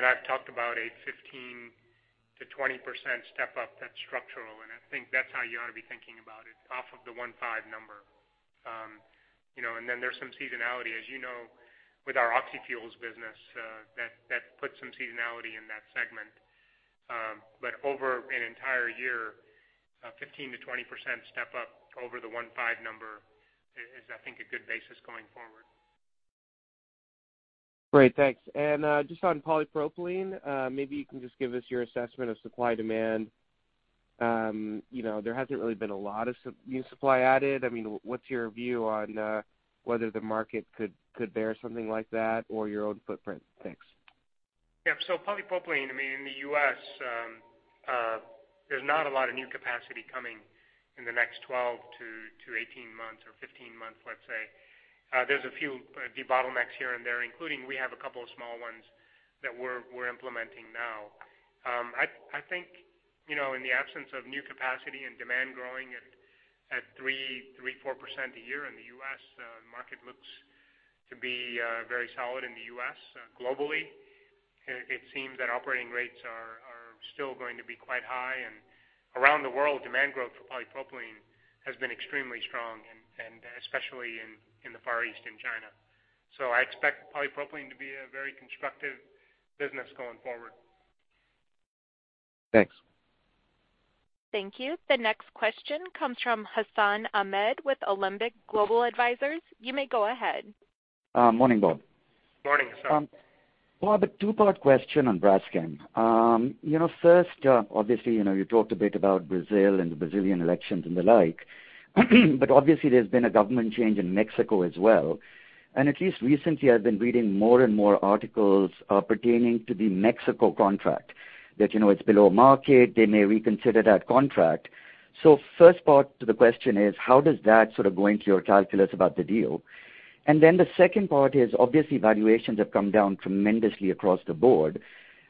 ±. I've talked about a 15%-20% step up that's structural. I think that's how you ought to be thinking about it, off of the 1.5 number. There's some seasonality, as you know, with our oxy fuels business, that puts some seasonality in that segment. Over an entire year, 15%-20% step up over the 1.5 number is, I think, a good basis going forward. Great. Thanks. Just on polypropylene, maybe you can just give us your assessment of supply-demand. There hasn't really been a lot of new supply added. What's your view on whether the market could bear something like that or your own footprint? Thanks. Polypropylene, in the U.S., there's not a lot of new capacity coming in the next 12-18 months or 15 months, let's say. There's a few debottlenecks here and there, including we have a couple of small ones that we're implementing now. I think, in the absence of new capacity and demand growing at 3%-4% a year in the U.S., market looks to be very solid in the U.S. Globally, it seems that operating rates are still going to be quite high. Around the world, demand growth for polypropylene has been extremely strong, especially in the Far East in China. I expect polypropylene to be a very constructive business going forward. Thanks. Thank you. The next question comes from Hassan Ahmed with Alembic Global Advisors. You may go ahead. Morning, Bob. Morning, Hassan. Bob, a two-part question on Braskem. Obviously, you talked a bit about Brazil and the Brazilian elections and the like. Obviously, there's been a government change in Mexico as well. At least recently, I've been reading more and more articles pertaining to the Mexico contract that it's below market. They may reconsider that contract. First part to the question is, how does that sort of go into your calculus about the deal? The second part is, obviously valuations have come down tremendously across the board,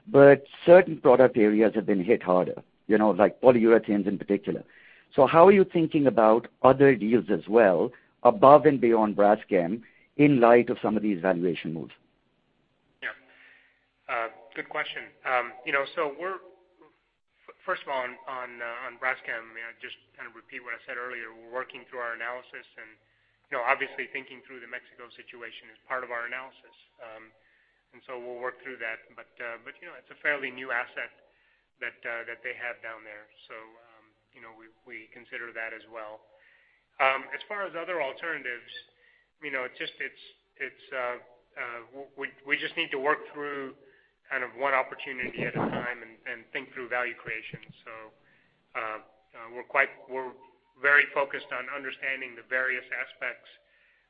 but certain product areas have been hit harder, like polyurethanes in particular. How are you thinking about other deals as well above and beyond Braskem in light of some of these valuation moves? Yeah. Good question. On Braskem, just kind of repeat what I said earlier. We're working through our analysis and obviously thinking through the Mexico situation as part of our analysis. We'll work through that. It's a fairly new asset that they have down there. We consider that as well. As far as other alternatives, we just need to work through kind of one opportunity at a time and think through value creation. We're very focused on understanding the various aspects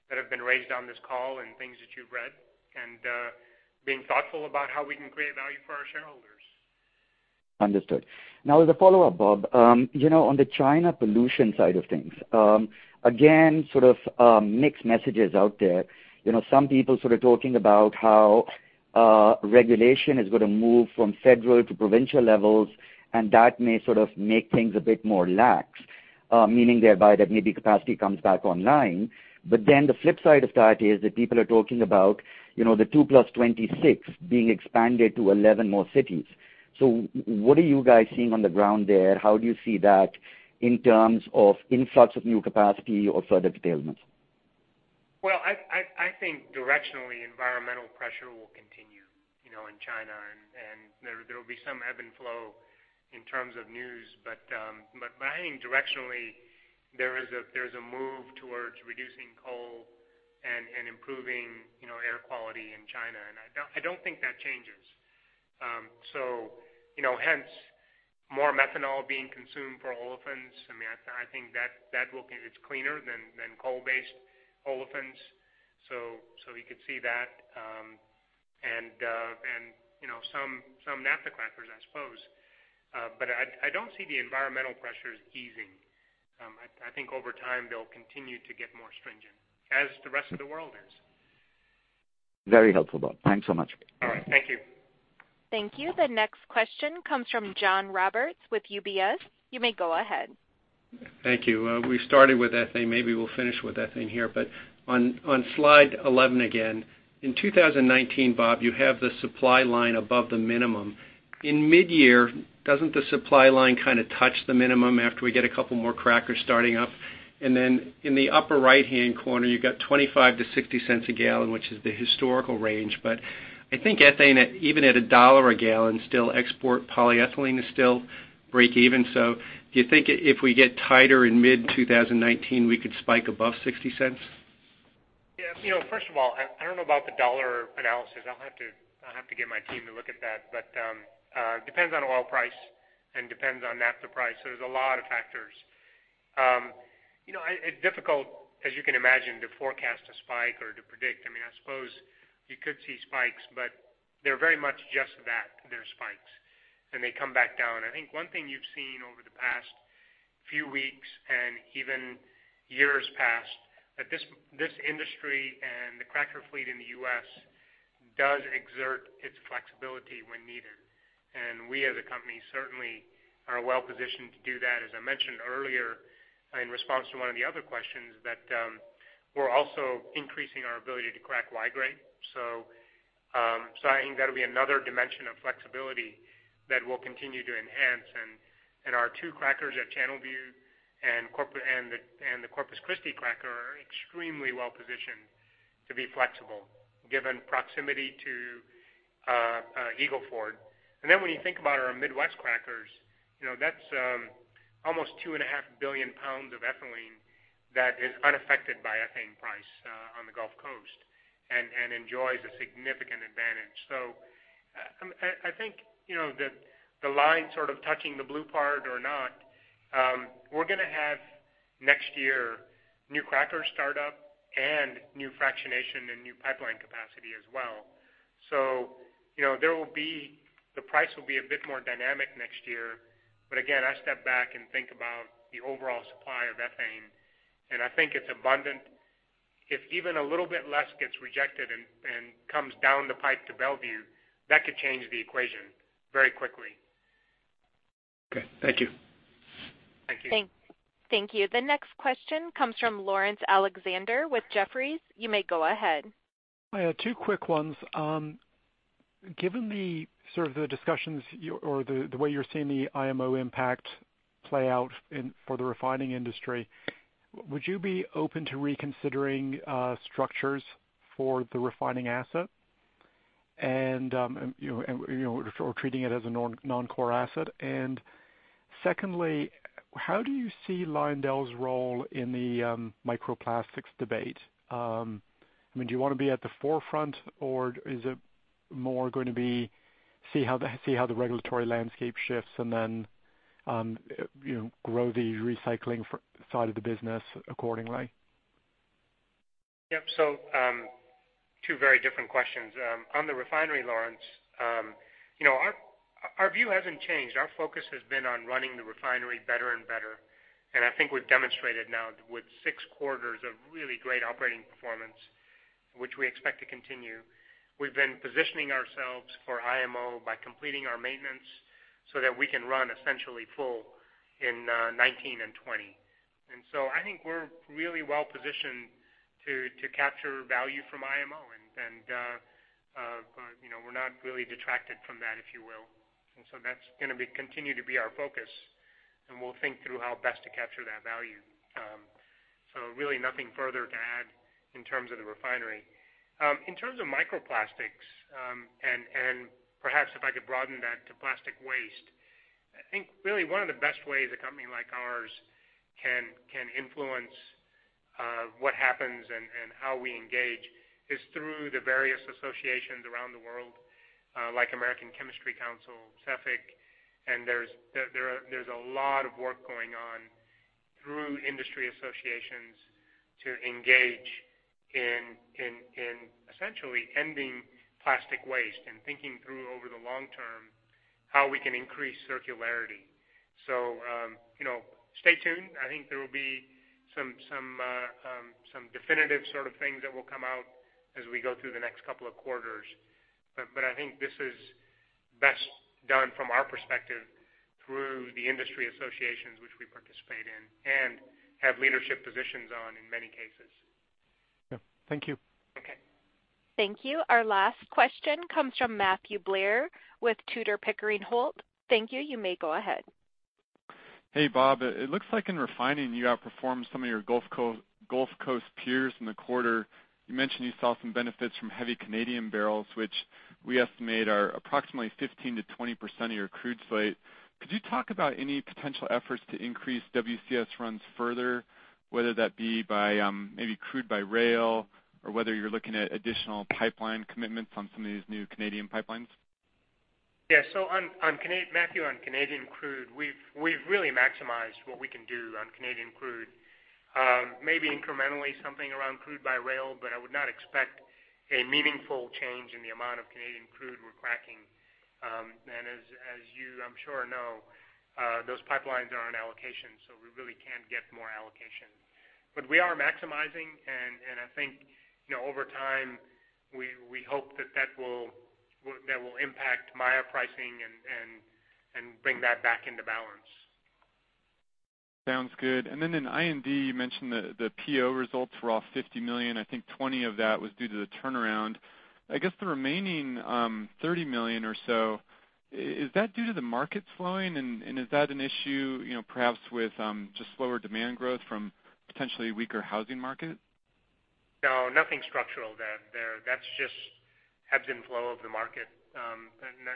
that have been raised on this call and things that you've read and being thoughtful about how we can create value for our shareholders. Understood. As a follow-up, Bob, on the China pollution side of things, again, sort of mixed messages out there. Some people sort of talking about how regulation is going to move from federal to provincial levels, and that may sort of make things a bit more lax, meaning thereby that maybe capacity comes back online. The flip side of that is that people are talking about the 2+26 being expanded to 11 more cities. What are you guys seeing on the ground there? How do you see that in terms of influx of new capacity or further curtailments? I think directionally environmental pressure will continue in China, and there will be some ebb and flow in terms of news. I think directionally there's a move towards reducing coal and improving air quality in China. I don't think that changes. Hence more methanol being consumed for olefins. I think it's cleaner than coal-based olefins. We could see that, some naphtha crackers, I suppose. I don't see the environmental pressures easing. I think over time they'll continue to get more stringent as the rest of the world is. Very helpful, Bob. Thanks so much. All right. Thank you. Thank you. The next question comes from John Roberts with UBS. You may go ahead. Thank you. We started with ethane. Maybe we'll finish with ethane here. On slide 11 again, in 2019, Bob, you have the supply line above the minimum. In mid-year, doesn't the supply line kind of touch the minimum after we get a couple more crackers starting up? In the upper right-hand corner, you've got $0.25-$0.60 a gallon, which is the historical range. I think ethane, even at $1 a gallon, still export polyethylene is still break even. Do you think if we get tighter in mid-2019, we could spike above $0.60? First of all, I don't know about the dollar analysis. I'll have to get my team to look at that, it depends on oil price and depends on naphtha price. There's a lot of factors. It's difficult, as you can imagine, to forecast a spike or to predict. I suppose you could see spikes, but they're very much just that. They're spikes, then they come back down. I think one thing you've seen over the past few weeks and even years past, that this industry and the cracker fleet in the U.S. does exert its flexibility when needed. We as a company certainly are well-positioned to do that. As I mentioned earlier in response to one of the other questions, that we're also increasing our ability to crack Y-grade. I think that'll be another dimension of flexibility that we'll continue to enhance. Our two crackers at Channelview and the Corpus Christi cracker are extremely well-positioned to be flexible given proximity to Eagle Ford. When you think about our Midwest crackers, that's almost two and a half billion pounds of ethylene that is unaffected by ethane price on the Gulf Coast and enjoys a significant advantage. I think that the line sort of touching the blue part or not, we're going to have next year new cracker startup and new fractionation and new pipeline capacity as well. The price will be a bit more dynamic next year. Again, I step back and think about the overall supply of ethane, and I think it's abundant. If even a little bit less gets rejected and comes down the pipe to Belvieu, that could change the equation very quickly. Okay. Thank you. Thank you. Thank you. The next question comes from Laurence Alexander with Jefferies. You may go ahead. I have two quick ones. Given the discussions or the way you're seeing the IMO impact play out for the refining industry, would you be open to reconsidering structures for the refining asset or treating it as a non-core asset? Secondly, how do you see Lyondell's role in the microplastics debate? Do you want to be at the forefront or is it more going to be see how the regulatory landscape shifts and then grow the recycling side of the business accordingly? Yep. Two very different questions. On the refinery, Laurence, our view hasn't changed. Our focus has been on running the refinery better and better, and I think we've demonstrated now with 6 quarters of really great operating performance, which we expect to continue. We've been positioning ourselves for IMO by completing our maintenance so that we can run essentially full in 2019 and 2020. I think we're really well-positioned to capture value from IMO. We're not really detracted from that, if you will. That's going to continue to be our focus, and we'll think through how best to capture that value. Really nothing further to add in terms of the refinery. In terms of microplastics, and perhaps if I could broaden that to plastic waste, I think really one of the best ways a company like ours can influence what happens and how we engage is through the various associations around the world, like American Chemistry Council, CEFIC. There's a lot of work going on through industry associations to engage in essentially ending plastic waste and thinking through over the long term how we can increase circularity. Stay tuned. I think there will be some definitive sort of things that will come out as we go through the next couple of quarters. I think this is best done from our perspective through the industry associations which we participate in and have leadership positions on in many cases. Yeah. Thank you. Okay. Thank you. Our last question comes from Matthew Blair with Tudor, Pickering, Holt & Co. Thank you. You may go ahead. Hey, Bob. It looks like in refining you outperformed some of your Gulf Coast peers in the quarter. You mentioned you saw some benefits from heavy Canadian barrels, which we estimate are approximately 15%-20% of your crude slate. Could you talk about any potential efforts to increase WCS runs further, whether that be by maybe crude by rail or whether you're looking at additional pipeline commitments on some of these new Canadian pipelines? Yeah. Matthew, on Canadian crude, we've really maximized what we can do on Canadian crude. Maybe incrementally something around crude by rail, I would not expect a meaningful change in the amount of Canadian crude we're cracking. As you I'm sure know, those pipelines are on allocation, so we really can't get more allocation. We are maximizing, and I think over time, we hope that will impact Maya pricing and bring that back into balance. Sounds good. Then in I&D, you mentioned the PO results were off $50 million. I think $20 million of that was due to the turnaround. I guess the remaining $30 million or so, is that due to the markets slowing? Is that an issue perhaps with just slower demand growth from potentially weaker housing market? No, nothing structural there. That's just ebbs and flow of the market.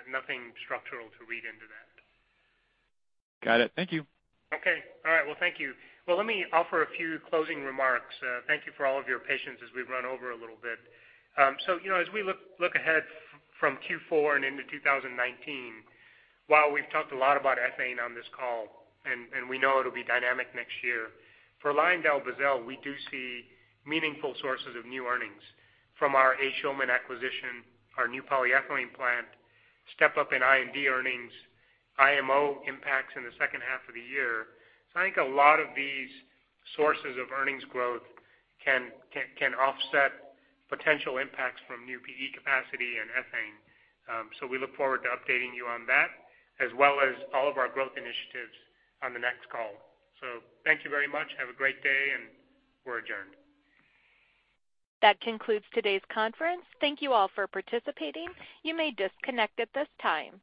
Nothing structural to read into that. Got it. Thank you. Okay. All right. Well, thank you. Well, let me offer a few closing remarks. Thank you for all of your patience as we've run over a little bit. As we look ahead from Q4 and into 2019, while we've talked a lot about ethane on this call, and we know it'll be dynamic next year, for LyondellBasell, we do see meaningful sources of new earnings from our A. Schulman acquisition, our new polyethylene plant, step-up in I&D earnings, IMO impacts in the second half of the year. I think a lot of these sources of earnings growth can offset potential impacts from new PE capacity and ethane. We look forward to updating you on that as well as all of our growth initiatives on the next call. Thank you very much. Have a great day, and we're adjourned. That concludes today's conference. Thank you all for participating. You may disconnect at this time.